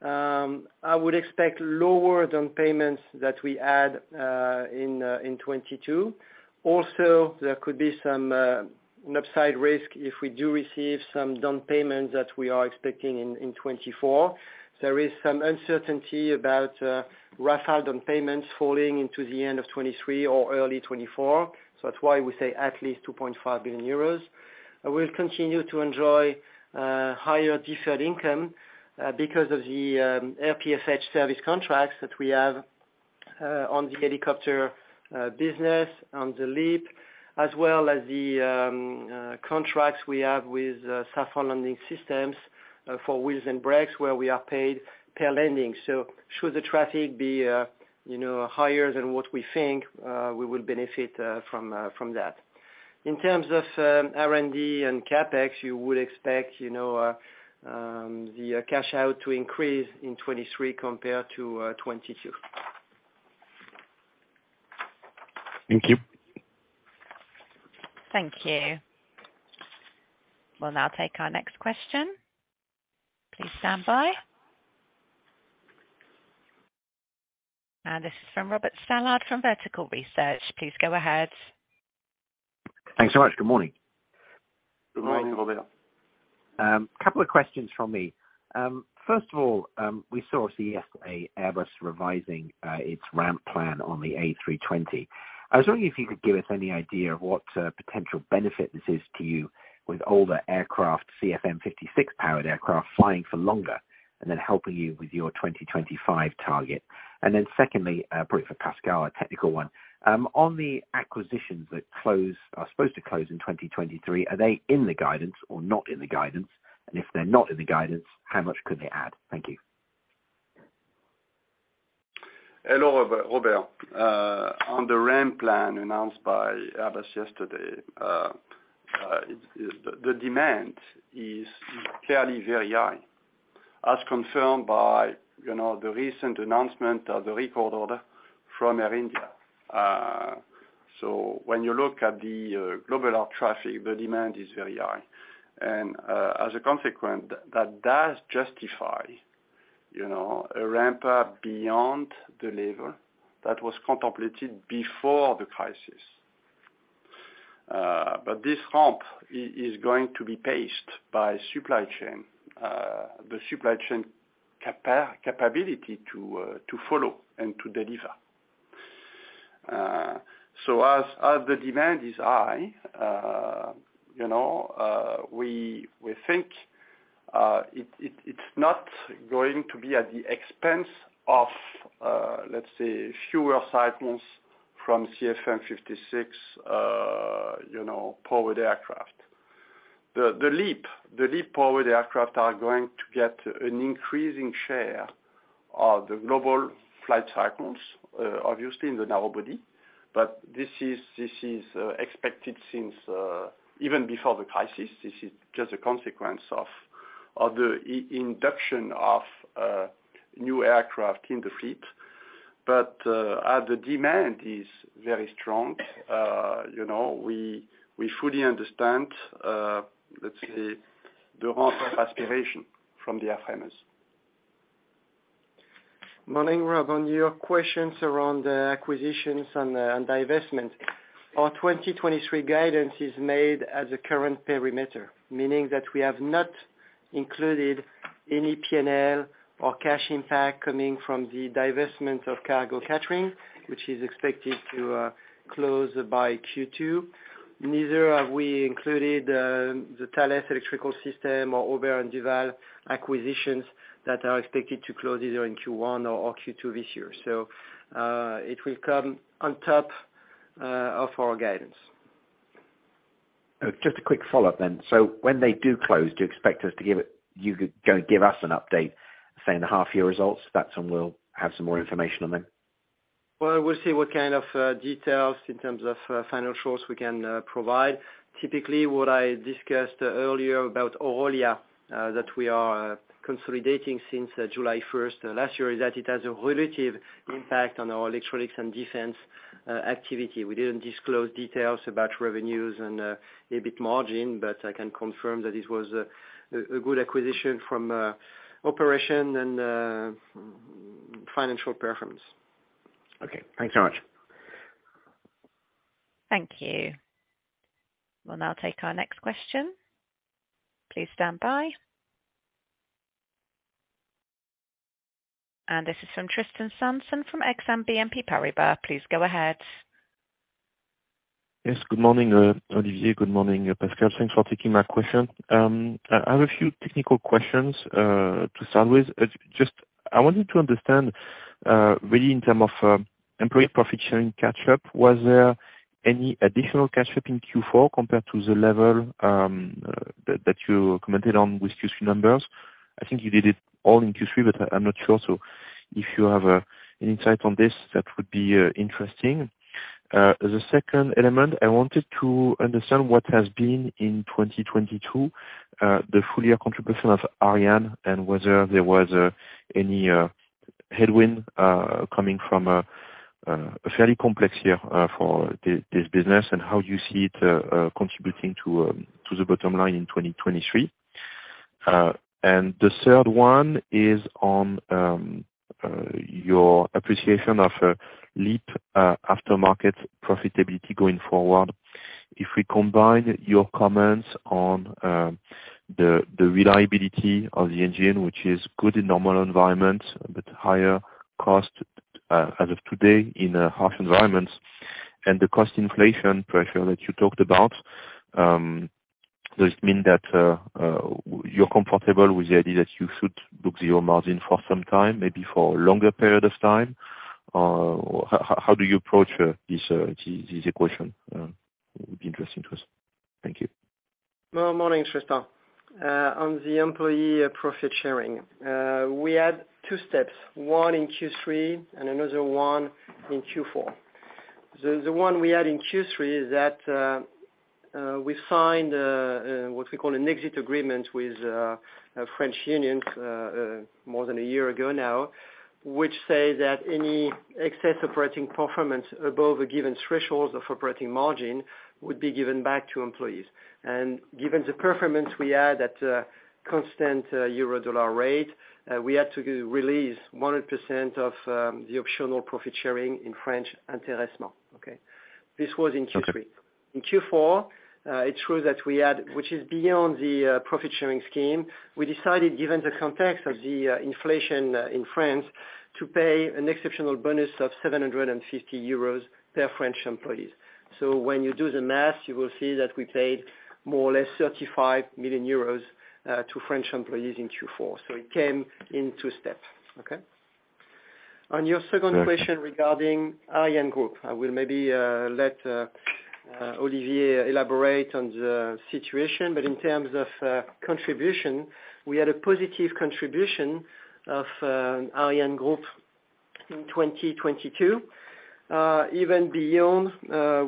I would expect lower down payments that we had in 2022. Also, there could be some an upside risk if we do receive some down payments that we are expecting in 2024. There is some uncertainty about Rafale down payments falling into the end of 2023 or early 2024. That's why we say at least 2.5 billion euros. We'll continue to enjoy higher deferred income because of the RPFH service contracts that we have. On the helicopter business, on the LEAP, as well as the contracts we have with Safran Landing Systems for wheels and brakes, where we are paid per landing. Should the traffic be, you know, higher than what we think, we will benefit from that. In terms of R&D and CapEx, you would expect, you know, the cash out to increase in 2023 compared to 2022. Thank you. Thank you. We'll now take our next question. Please stand by. This is from Robert Stallard from Vertical Research. Please go ahead. Thanks so much. Good morning. Good morning, Robert. Couple of questions from me. First of all, we saw yesterday Airbus revising its ramp plan on the A320. I was wondering if you could give us any idea of what potential benefit this is to you with older aircraft, CFM56 powered aircraft, flying for longer, and then helping you with your 2025 target. Secondly, probably for Pascal, a technical one. On the acquisitions that close, are supposed to close in 2023, are they in the guidance or not in the guidance? If they're not in the guidance, how much could they add? Thank you. Hello, Robert. On the ramp plan announced by Airbus yesterday, the demand is clearly very high, as confirmed by, you know, the recent announcement of the record order from Air India. When you look at the global air traffic, the demand is very high. As a consequence, that does justify, you know, a ramp up beyond the level that was contemplated before the crisis. But this ramp is going to be paced by supply chain, the supply chain capability to follow and to deliver. As the demand is high, you know, we think it's not going to be at the expense of, let's say, fewer cycles from CFM56, you know, powered aircraft. The LEAP powered aircraft are going to get an increasing share of the global flight cycles, obviously in the narrowbody. This is expected since even before the crisis. This is just a consequence of the induction of new aircraft in the fleet. As the demand is very strong, you know, we fully understand, let's say, the ramp aspiration from the FMIs. Morning, Rob. On your questions around the acquisitions and divestment, our 2023 guidance is made as a current perimeter, meaning that we have not included any P&L or cash impact coming from the divestment of cargo catering, which is expected to close by Q2. Neither have we included the Thales electrical system or Aubert & Duval acquisitions that are expected to close either in Q1 or Q2 this year. It will come on top of our guidance. just a quick follow-up then. When they do close, do you expect us to give it, you go give us an update, say in the half year results, that's when we'll have some more information on them? Well, we'll see what kind of details in terms of financials we can provide. Typically, what I discussed earlier about Orolia, that we are consolidating since July first last year, is that it has a relative impact on our electronics and defense activity. We didn't disclose details about revenues and EBIT margin, but I can confirm that it was a good acquisition from operation and financial performance. Okay. Thanks so much. Thank you. We'll now take our next question. Please stand by. This is from Tristan Sanson from Exane BNP Paribas. Please go ahead. Yes, good morning, Olivier. Good morning, Pascal. Thanks for taking my question. I have a few technical questions to start with. Just I wanted to understand really in term of employee profit sharing catch up, was there any additional catch up in Q4 compared to the level that you commented on with Q3 numbers? I think you did it all in Q3, but I'm not sure. If you have an insight on this, that would be interesting. The second element, I wanted to understand what has been in 2022, the full year contribution of Ariane and whether there was any headwind coming from a fairly complex year for this business and how you see it contributing to the bottom line in 2023. The third one is on your appreciation of LEAP aftermarket profitability going forward. If we combine your comments on the reliability of the engine, which is good in normal environments, but higher cost as of today in harsh environments, and the cost inflation pressure that you talked about. Does it mean that you're comfortable with the idea that you should book zero margin for some time, maybe for a longer period of time? How do you approach this equation? It would be interesting to us. Thank you. Well, morning, Tristan. On the employee profit sharing, we had two steps, one in Q3 and another one in Q4. The one we had in Q3 is that we signed what we call an exit agreement with a French union more than a year ago now, which say that any excess operating performance above a given threshold of operating margin would be given back to employees. Given the performance we had at a constant euro dollar rate, we had to release 100% of the optional profit sharing in French intéressement, okay? This was in Q3. Okay. In Q4, it's true that we had, which is beyond the profit sharing scheme, we decided, given the context of the inflation in France, to pay an exceptional bonus of 750 euros per French employees. When you do the math, you will see that we paid more or less 35 million euros to French employees in Q4. It came in two steps, okay? On your second question regarding ArianeGroup, I will maybe let Olivier elaborate on the situation. In terms of contribution, we had a positive contribution of ArianeGroup in 2022, even beyond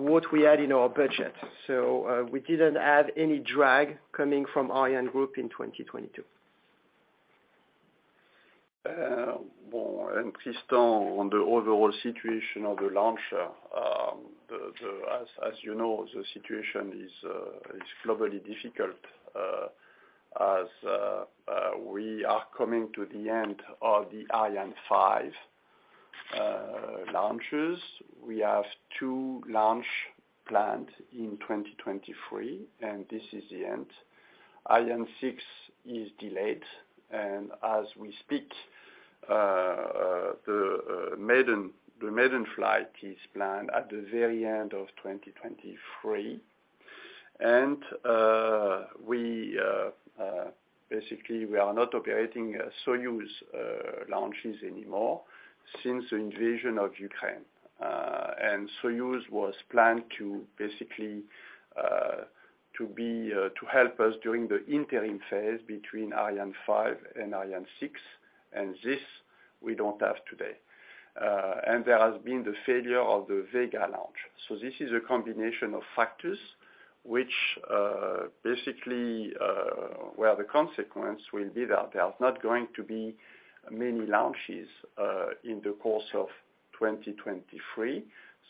what we had in our budget. We didn't add any drag coming from ArianeGroup in 2022. Well, Tristan, on the overall situation of the launch, as you know, the situation is globally difficult, as we are coming to the end of the Ariane 5 launches. We have two launch planned in 2023, this is the end. Ariane 6 is delayed. As we speak, the maiden flight is planned at the very end of 2023. We basically we are not operating Soyuz launches anymore since the invasion of Ukraine. Soyuz was planned to basically to be to help us during the interim phase between Ariane 5 and Ariane 6, this we don't have today. There has been the failure of the Vega launch. This is a combination of factors which basically the consequence will be that there's not going to be many launches in the course of 2023.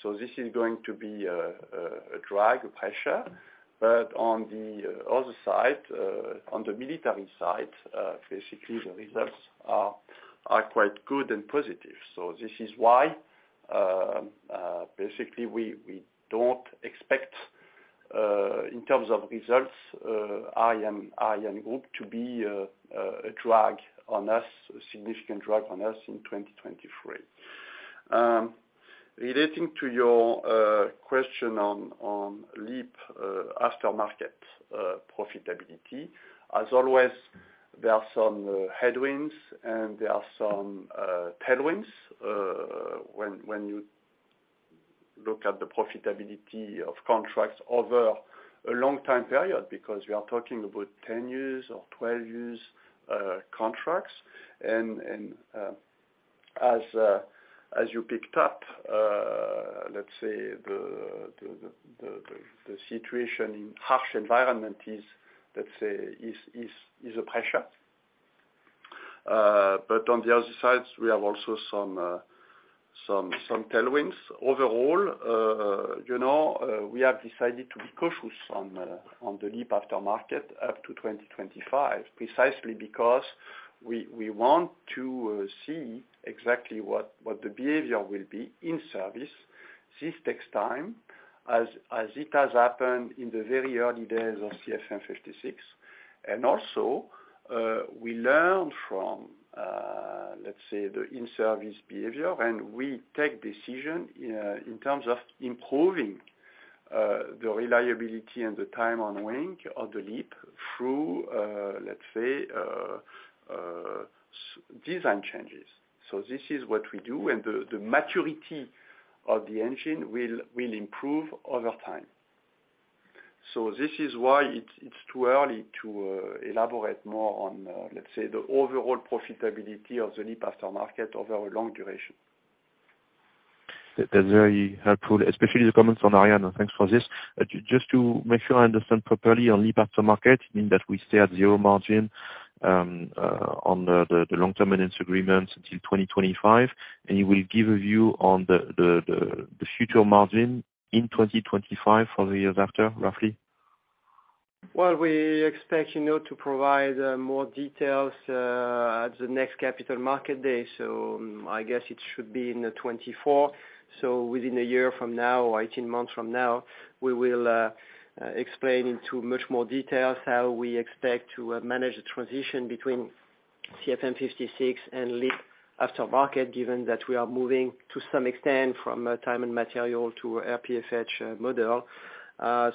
This is going to be a drag, a pressure. On the other side, on the military side, basically the results are quite good and positive. This is why basically we don't expect in terms of results ArianeGroup to be a drag on us, a significant drag on us in 2023. Relating to your question on LEAP aftermarket profitability. As always, there are some headwinds and there are some tailwinds when you look at the profitability of contracts over a long time period, because we are talking about 10 years or 12 years contracts. As you picked up, the situation in harsh environment is a pressure. On the other side, we have also some tailwinds. Overall, you know, we have decided to be cautious on the LEAP aftermarket up to 2025, precisely because we want to see exactly what the behavior will be in service. This takes time as it has happened in the very early days of CFM56. Also, we learn from the in-service behavior, and we take decision in terms of improving the reliability and the time on wing of the LEAP through design changes. This is what we do, and the maturity of the engine will improve over time. This is why it's too early to elaborate more on let's say the overall profitability of the LEAP aftermarket over a long duration. That's very helpful, especially the comments on Ariane. Thanks for this. Just to make sure I understand properly on LEAP aftermarket, you mean that we stay at 0% margin on the long-term maintenance agreements until 2025, and you will give a view on the future margin in 2025 for the years after, roughly? We expect, you know, to provide more details at the next Capital Market Day. I guess it should be in 2024. Within a year from now, or 18 months from now, we will explain into much more details how we expect to manage the transition between CFM56 and LEAP aftermarket, given that we are moving to some extent from time and material to RPFH model.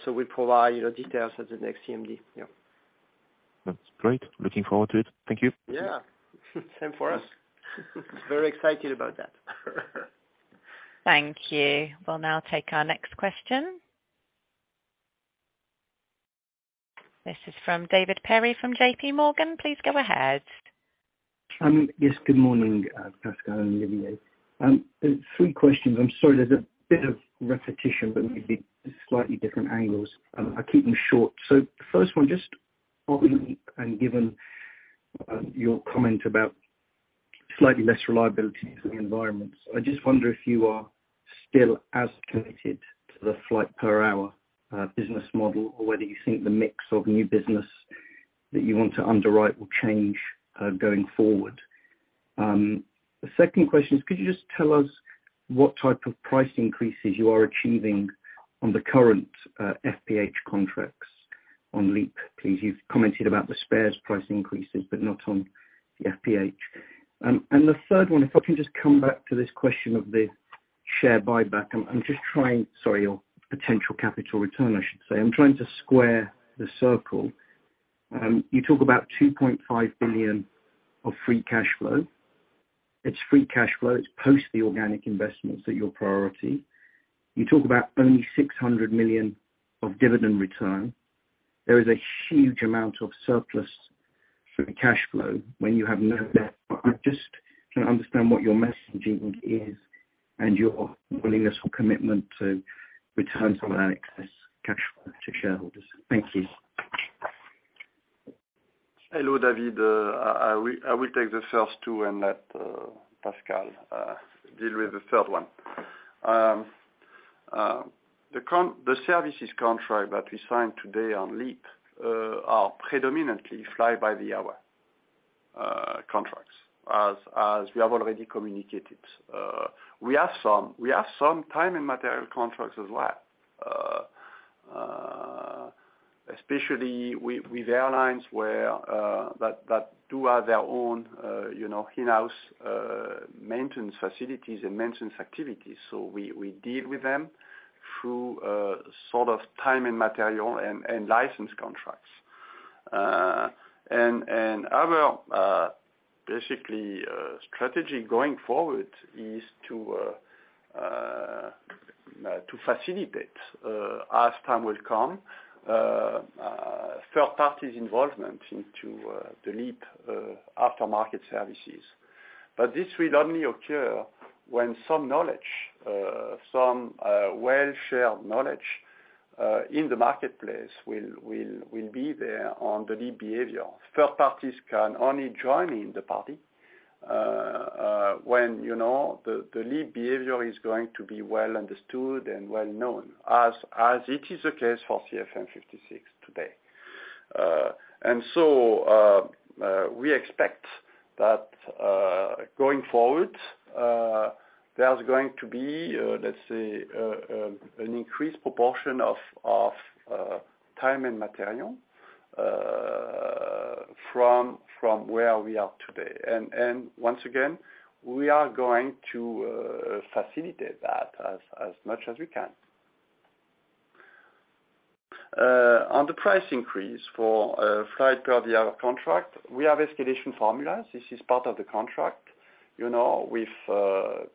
We'll provide, you know, details at the next CMD. Yeah. That's great. Looking forward to it. Thank you. Yeah. Same for us. Very excited about that. Thank you. We'll now take our next question. This is from David Perry from J.PMorgan. Please go ahead. Yes, good morning, Pascal and Olivier. Three questions. I'm sorry, there's a bit of repetition, but maybe slightly different angles. I'll keep them short. The first one, just following and given your comment about slightly less reliability to the environment. I just wonder if you are still as committed to the flight per hour business model, or whether you think the mix of new business that you want to underwrite will change going forward. The second question is could you just tell us what type of price increases you are achieving on the current FPH contracts on LEAP, please? You've commented about the spares price increases, but not on the FPH. And the third one, if I can just come back to this question of the share buyback. I'm just trying... Sorry, or potential capital return, I should say. I'm trying to square the circle. You talk about 2.5 billion of free cash flow. It's free cash flow. It's post the organic investments at your priority. You talk about only 600 million of dividend return. There is a huge amount of surplus sort of cash flow when you have no debt. I just can't understand what your messaging is and your willingness or commitment to return some of that excess cash flow to shareholders. Thank you. Hello, David. I will take the first two and let Pascal deal with the third one. The services contract that we signed today on LEAP are predominantly fly by the hour contracts, as we have already communicated. We have some time and material contracts as well, especially with airlines where that do have their own, you know, in-house maintenance facilities and maintenance activities. We deal with them through a sort of time and material and license contracts. Our basically strategy going forward is to facilitate as time will come third parties involvement into the LEAP aftermarket services. This will only occur when some knowledge, some well-shared knowledge in the marketplace will be there on the LEAP behavior. Third parties can only join in the party when, you know, the LEAP behavior is going to be well understood and well known, as it is the case for CFM56 today. And so we expect that going forward, there's going to be, let's say, an increased proportion of time and material from where we are today. Once again, we are going to facilitate that as much as we can. On the price increase for flight per the hour contract, we have escalation formulas. This is part of the contract, you know, with,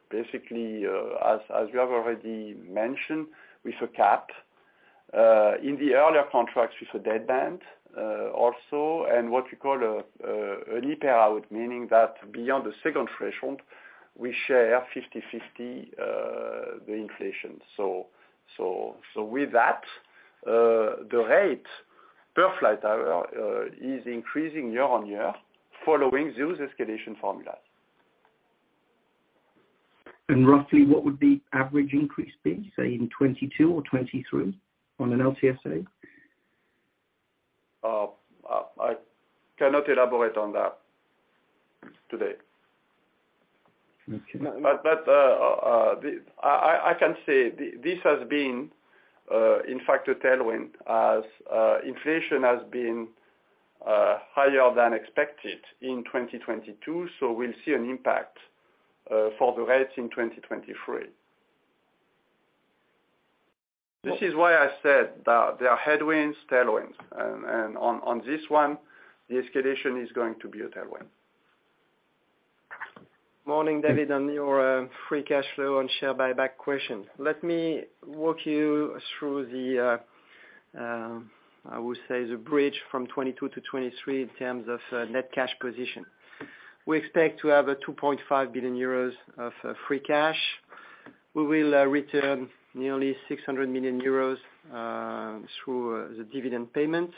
basically, as we have already mentioned, with a cap. In the earlier contracts, with a deadband, also, and what we call a LEAP out, meaning that beyond the second threshold, we share 50/50, the inflation. With that, the Rate Per Flight Hour, is increasing year on year following those escalation formulas. Roughly what would the average increase be, say, in 2022 or 2023 on an LCSA? I cannot elaborate on that today. Okay. I can say this has been, in fact a tailwind as inflation has been higher than expected in 2022. We'll see an impact for the rates in 2023. This is why I said that there are headwinds, tailwinds, and on this one, the escalation is going to be a tailwind. Morning, David. On your free cash flow and share buyback question. Let me walk you through the I would say, the bridge from 2022 to 2023 in terms of net cash position. We expect to have 2.5 billion euros of free cash. We will return nearly 600 million euros through the dividend payment.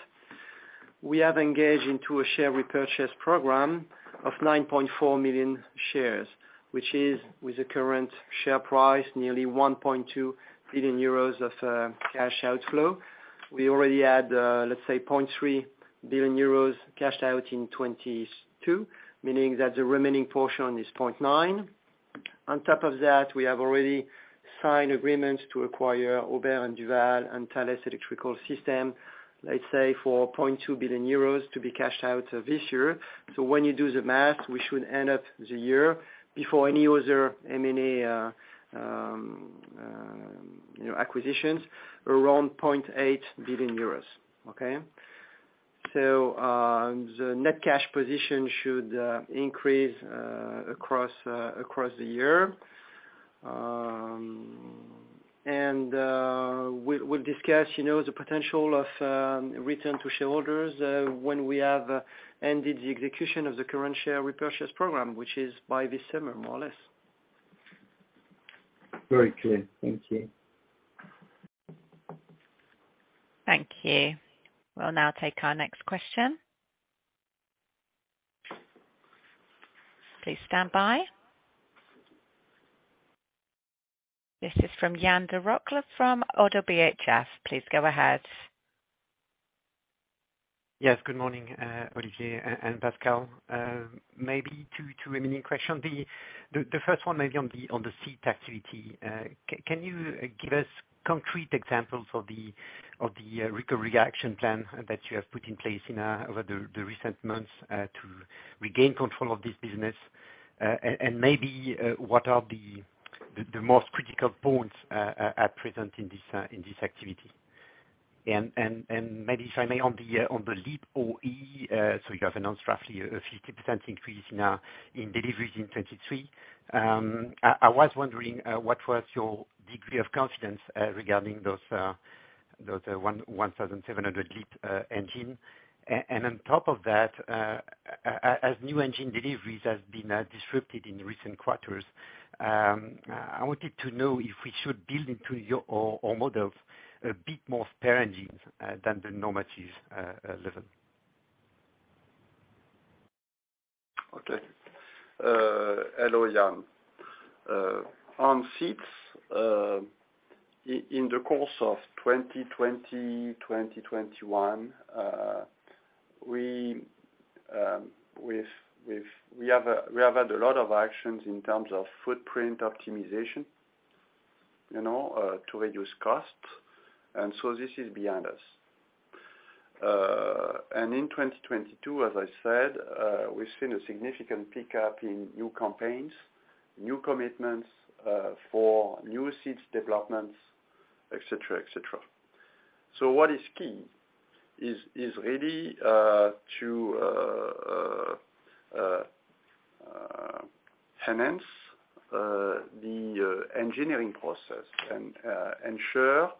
We have engaged into a share repurchase program of 9.4 million shares, which is, with the current share price, nearly 1.2 billion euros of cash outflow. We already had, let's say 0.3 billion euros cashed out in 2022, meaning that the remaining portion is 0.9 billion. On top of that, we have already signed agreements to acquire Aubert & Duval and Thales electrical system, let's say for 0.2 billion euros to be cashed out this year. When you do the math, we should end up the year before any other M&A, you know, acquisitions around 0.8 billion euros. Okay? The net cash position should increase across across the year. We'll discuss, you know, the potential of return to shareholders when we have ended the execution of the current share repurchase program, which is by this summer, more or less. Very clear. Thank you. Thank you. We'll now take our next question. Please stand by. This is from Yan Derocles, from ODDO BHF. Please go ahead. Yes, good morning, Olivier and Pascal. Maybe two remaining question. The first one maybe on the seat activity. Can you give us concrete examples of the recovery action plan that you have put in place in over the recent months, to regain control of this business? Maybe what are the most critical points at present in this activity? Maybe if I may, on the LEAP OE, so you have announced roughly a 50% increase in deliveries in 2023. I was wondering what was your degree of confidence regarding those 1,700 LEAP engine. On top of that, as new engine deliveries has been disrupted in recent quarters, I wanted to know if we should build into your or models a bit more spare engines than the normative level. Okay. Hello, Yan. On seats, in the course of 2020, 2021, we have had a lot of actions in terms of footprint optimization, you know, to reduce costs. This is behind us. In 2022, as I said, we've seen a significant pickup in new campaigns, new commitments, for new seats developments, et cetera, et cetera. What is key is really to enhance the engineering process and ensure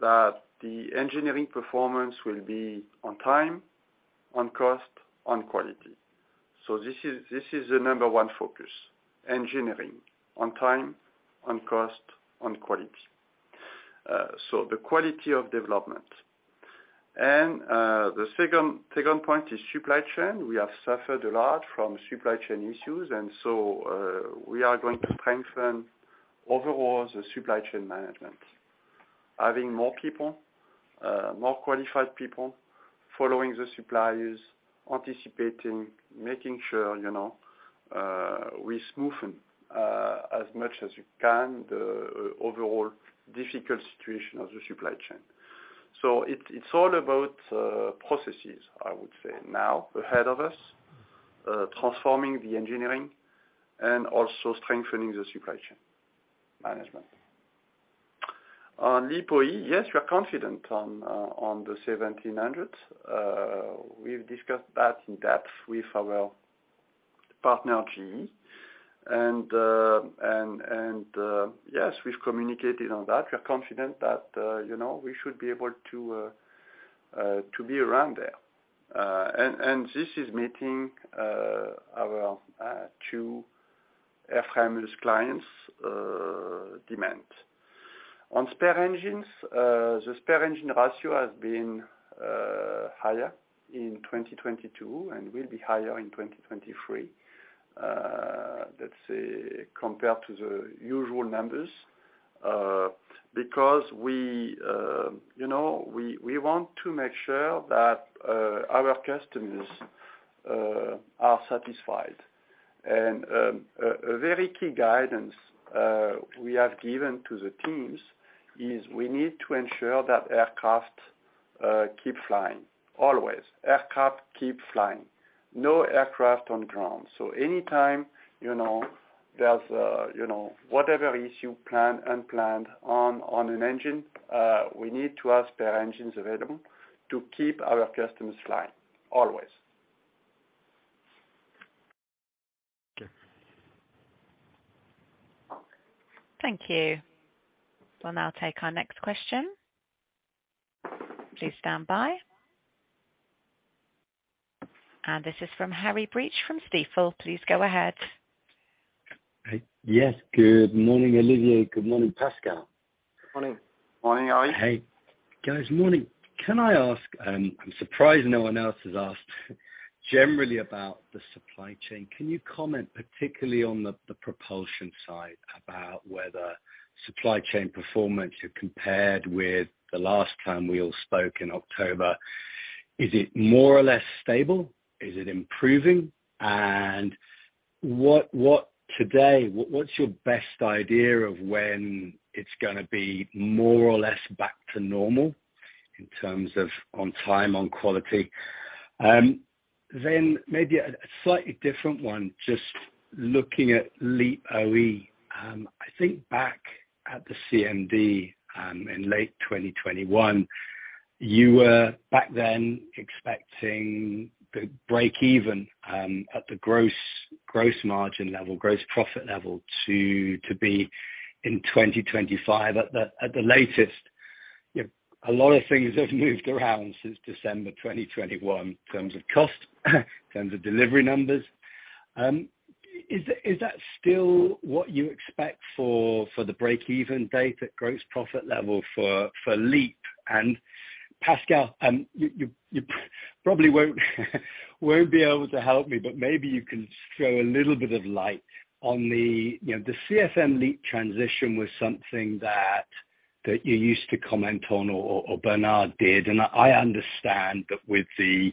that the engineering performance will be on time, on cost, on quality. This is the number one focus, engineering on time, on cost, on quality. The quality of development. The second point is supply chain. We have suffered a lot from supply chain issues. We are going to strengthen overall the supply chain management. Having more people, more qualified people following the suppliers, anticipating, making sure, you know, we smoothen as much as we can, the overall difficult situation of the supply chain. It, it's all about processes, I would say now ahead of us, transforming the engineering and also strengthening the supply chain management. LEAP OE, yes, we are confident on 1,700. We've discussed that in depth with our partner GE, yes, we've communicated on that. We're confident that, you know, we should be able to be around there. This is meeting our two airframer clients' demand. On spare engines, the spare engine ratio has been higher in 2022 and will be higher in 2023. Let's say compared to the usual numbers, because we, you know, we want to make sure that our customers are satisfied. A very key guidance we have given to the teams is we need to ensure that aircraft keep flying, always. Aircraft keep flying, no aircraft on ground. Anytime, you know, there's, you know, whatever issue planned, unplanned on an engine, we need to have spare engines available to keep our customers flying, always. Okay. Thank you. We'll now take our next question. Please stand by. This is from Harry Breach from Stifel. Please go ahead. Yes, good morning, Olivier. Good morning, Pascal. Morning. Morning, Harry. Hey. Guys, morning. Can I ask, I'm surprised no one else has asked generally about the supply chain. Can you comment particularly on the propulsion side? Whether supply chain performance, if compared with the last time we all spoke in October, is it more or less stable? Is it improving? today, what's your best idea of when it's gonna be more or less back to normal in terms of on time, on quality? maybe a slightly different one, just looking at LEAP OE. I think back at the CMD, in late 2021, you were back then expecting the break even, at the gross margin level, gross profit level to be in 2025 at the latest. You know, a lot of things have moved around since December 2021 in terms of cost, in terms of delivery numbers. Is that still what you expect for the break even date at gross profit level for LEAP? Pascal, you probably won't be able to help me, but maybe you can shed a little bit of light on the, you know, the CFM LEAP transition was something that you used to comment on or Bernard did. I understand that with the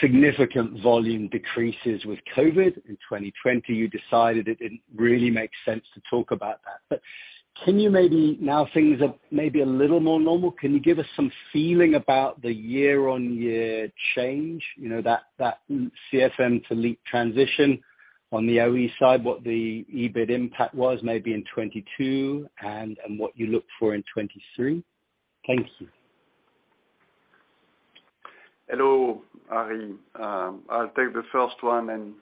significant volume decreases with COVID in 2020, you decided it didn't really make sense to talk about that. Can you maybe, now things are a little more normal, can you give us some feeling about the year-on-year change, you know, that CFM to LEAP transition on the OE side, what the EBIT impact was maybe in 2022 and what you look for in 2023? Thank you. Hello, Harry. I'll take the first one and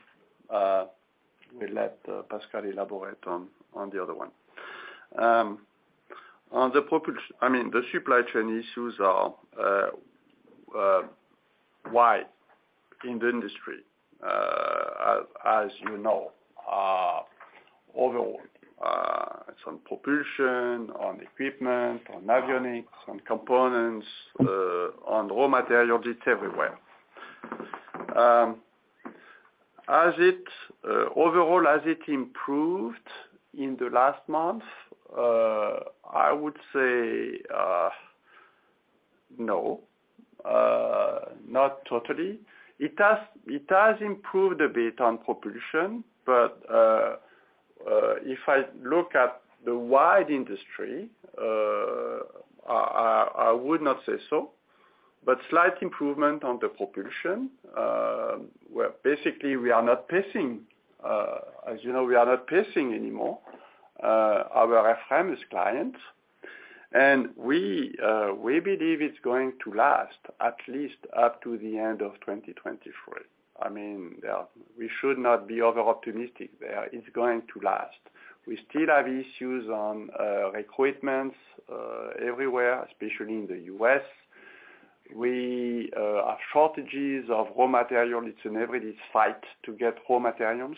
we'll let Pascal elaborate on the other one. I mean, the supply chain issues are wide in the industry, as you know, overall, some propulsion, on equipment, on avionics, on components, on raw material, it's everywhere. Has it overall improved in the last month? I would say no, not totally. It has improved a bit on propulsion, but if I look at the wide industry, I would not say so. Slight improvement on the propulsion, where basically we are not pacing, as you know, we are not pacing anymore, our airframers clients. We believe it's going to last at least up to the end of 2023. I mean, we should not be overoptimistic there. It's going to last. We still have issues on equipments everywhere, especially in the U.S. We have shortages of raw material. It's an everyday fight to get raw materials.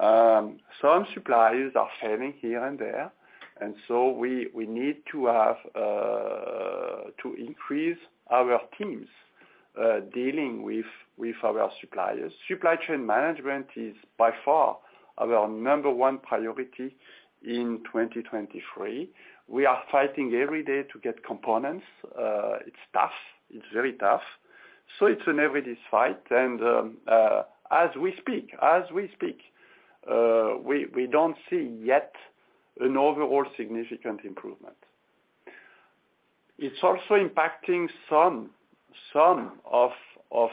Some suppliers are failing here and there, we need to have to increase our teams dealing with our suppliers. Supply chain management is by far our number one priority in 2023. We are fighting every day to get components. It's tough. It's very tough. It's an everyday fight. As we speak, we don't see yet an overall significant improvement. It's also impacting some of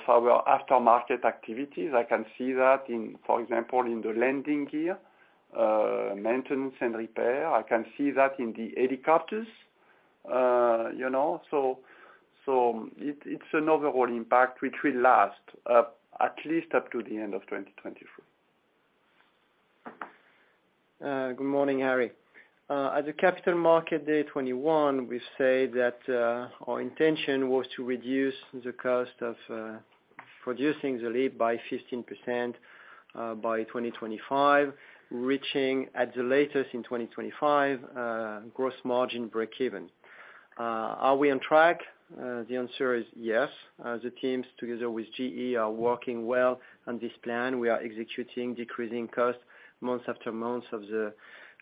our aftermarket activities. I can see that in, for example, in the landing gear, maintenance and repair. I can see that in the helicopters, you know. It's an overall impact which will last up, at least up to the end of 2023. Good morning, Harry. At the capital market day 2021, we said that our intention was to reduce the cost of producing the LEAP by 15% by 2025, reaching at the latest in 2025, gross margin breakeven. Are we on track? The answer is yes. The teams together with GE are working well on this plan. We are executing, decreasing cost month after month of the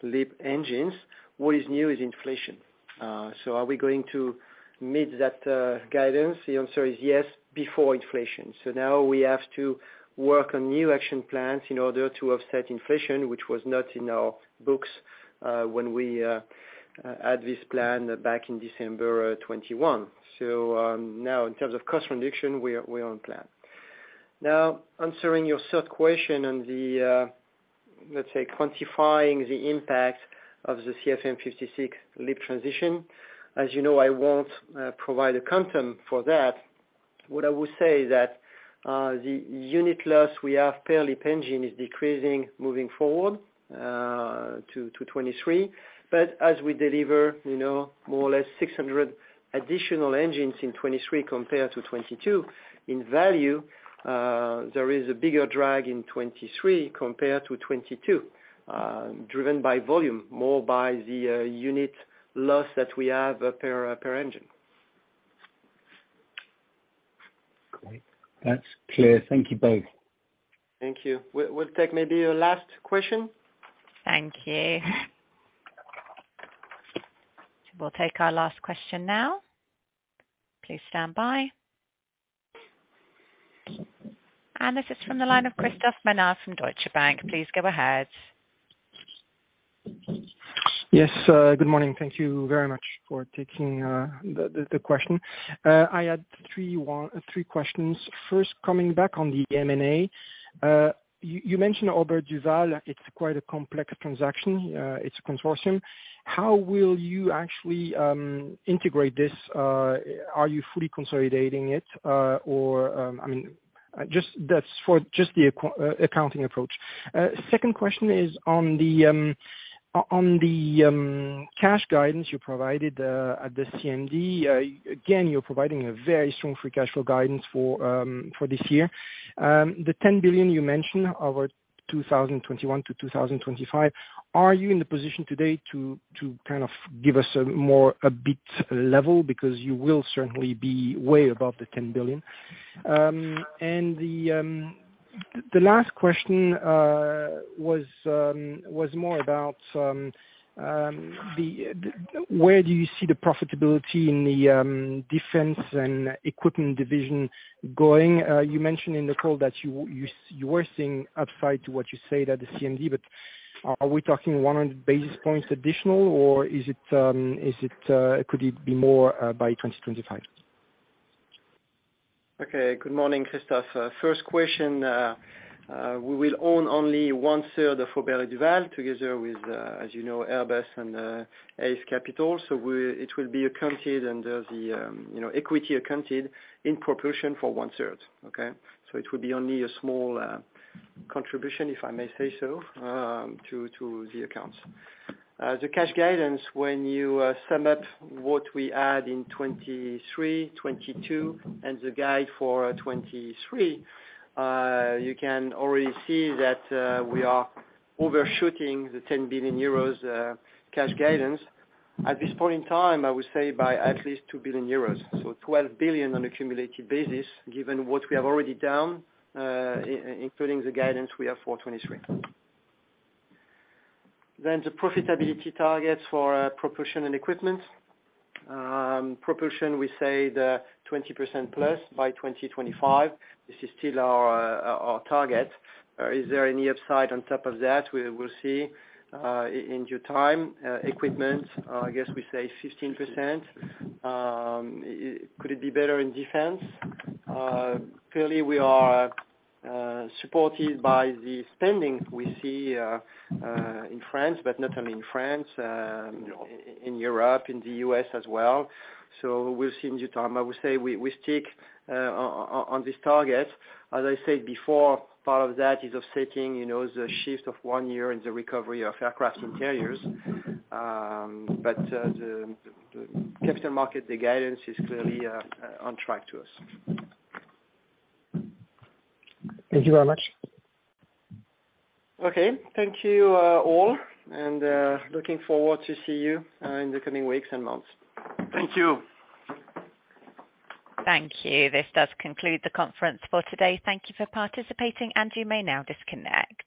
LEAP engines. What is new is inflation. Are we going to meet that guidance? The answer is yes, before inflation. Now we have to work on new action plans in order to offset inflation, which was not in our books when we had this plan back in December 2021. Now in terms of cost reduction, we are on plan. Now, answering your third question on the, let's say quantifying the impact of the CFM56 LEAP transition, as you know, I won't provide a quantum for that. What I will say is that the unit loss we have per LEAP engine is decreasing moving forward to 2023. As we deliver, you know, more or less 600 additional engines in 2023 compared to 2022, in value, there is a bigger drag in 2023 compared to 2022, driven by volume, more by the unit loss that we have per engine. Okay. That's clear. Thank you both. Thank you. We'll take maybe a last question. Thank you. We'll take our last question now. Please stand by. This is from the line of Christophe Ménard from Deutsche Bank. Please go ahead. Yes. Good morning. Thank you very much for taking the question. I had three questions. First, coming back on the M&A. You mentioned Aubert & Duval, it's quite a complex transaction. It's a consortium. How will you actually integrate this? Are you fully consolidating it? Or, I mean, just that's for just the accounting approach. Second question is on the cash guidance you provided at the CMD. Again, you're providing a very strong free cash flow guidance for this year. The 10 billion you mentioned over 2021-2025, are you in the position today to kind of give us a more a bit level? Because you will certainly be way above the 10 billion. The last question was more about where do you see the profitability in the defense and equipment division going? You mentioned in the call that you, you were seeing upside to what you said at the CMD. Are we talking 100 basis points additional, or could it be more by 2025? Okay. Good morning, Christophe Ménard. First question. We will own only one-third of Aubert & Duval together with, as you know, Airbus and Ace Capital. It will be accounted under the, you know, equity accounted in proportion for one-third. Okay? It would be only a small contribution, if I may say so, to the accounts. The cash guidance, when you sum up what we had in 2023, 2022 and the guide for 2023, you can already see that we are overshooting the 10 billion euros cash guidance. At this point in time, I would say by at least 2 billion euros, so 12 billion on a cumulative basis, given what we have already done, including the guidance we have for 2023. The profitability targets for propulsion and equipment. Propulsion, we say the 20% plus by 2025. This is still our target. Is there any upside on top of that? We will see in due time. Equipment, I guess we say 15%. Could it be better in defense? Clearly, we are supported by the spending we see in France, but not only in France, in Europe, in the U.S. as well. We'll see in due time. I would say we stick on this target. As I said before, part of that is offsetting, you know, the shift of one year in the recovery of aircrafts interiors. The capital market, the guidance is clearly on track to us. Thank you very much. Okay. Thank you, all, and, looking forward to see you, in the coming weeks and months. Thank you. Thank you. This does conclude the conference for today. Thank you for participating and you may now disconnect.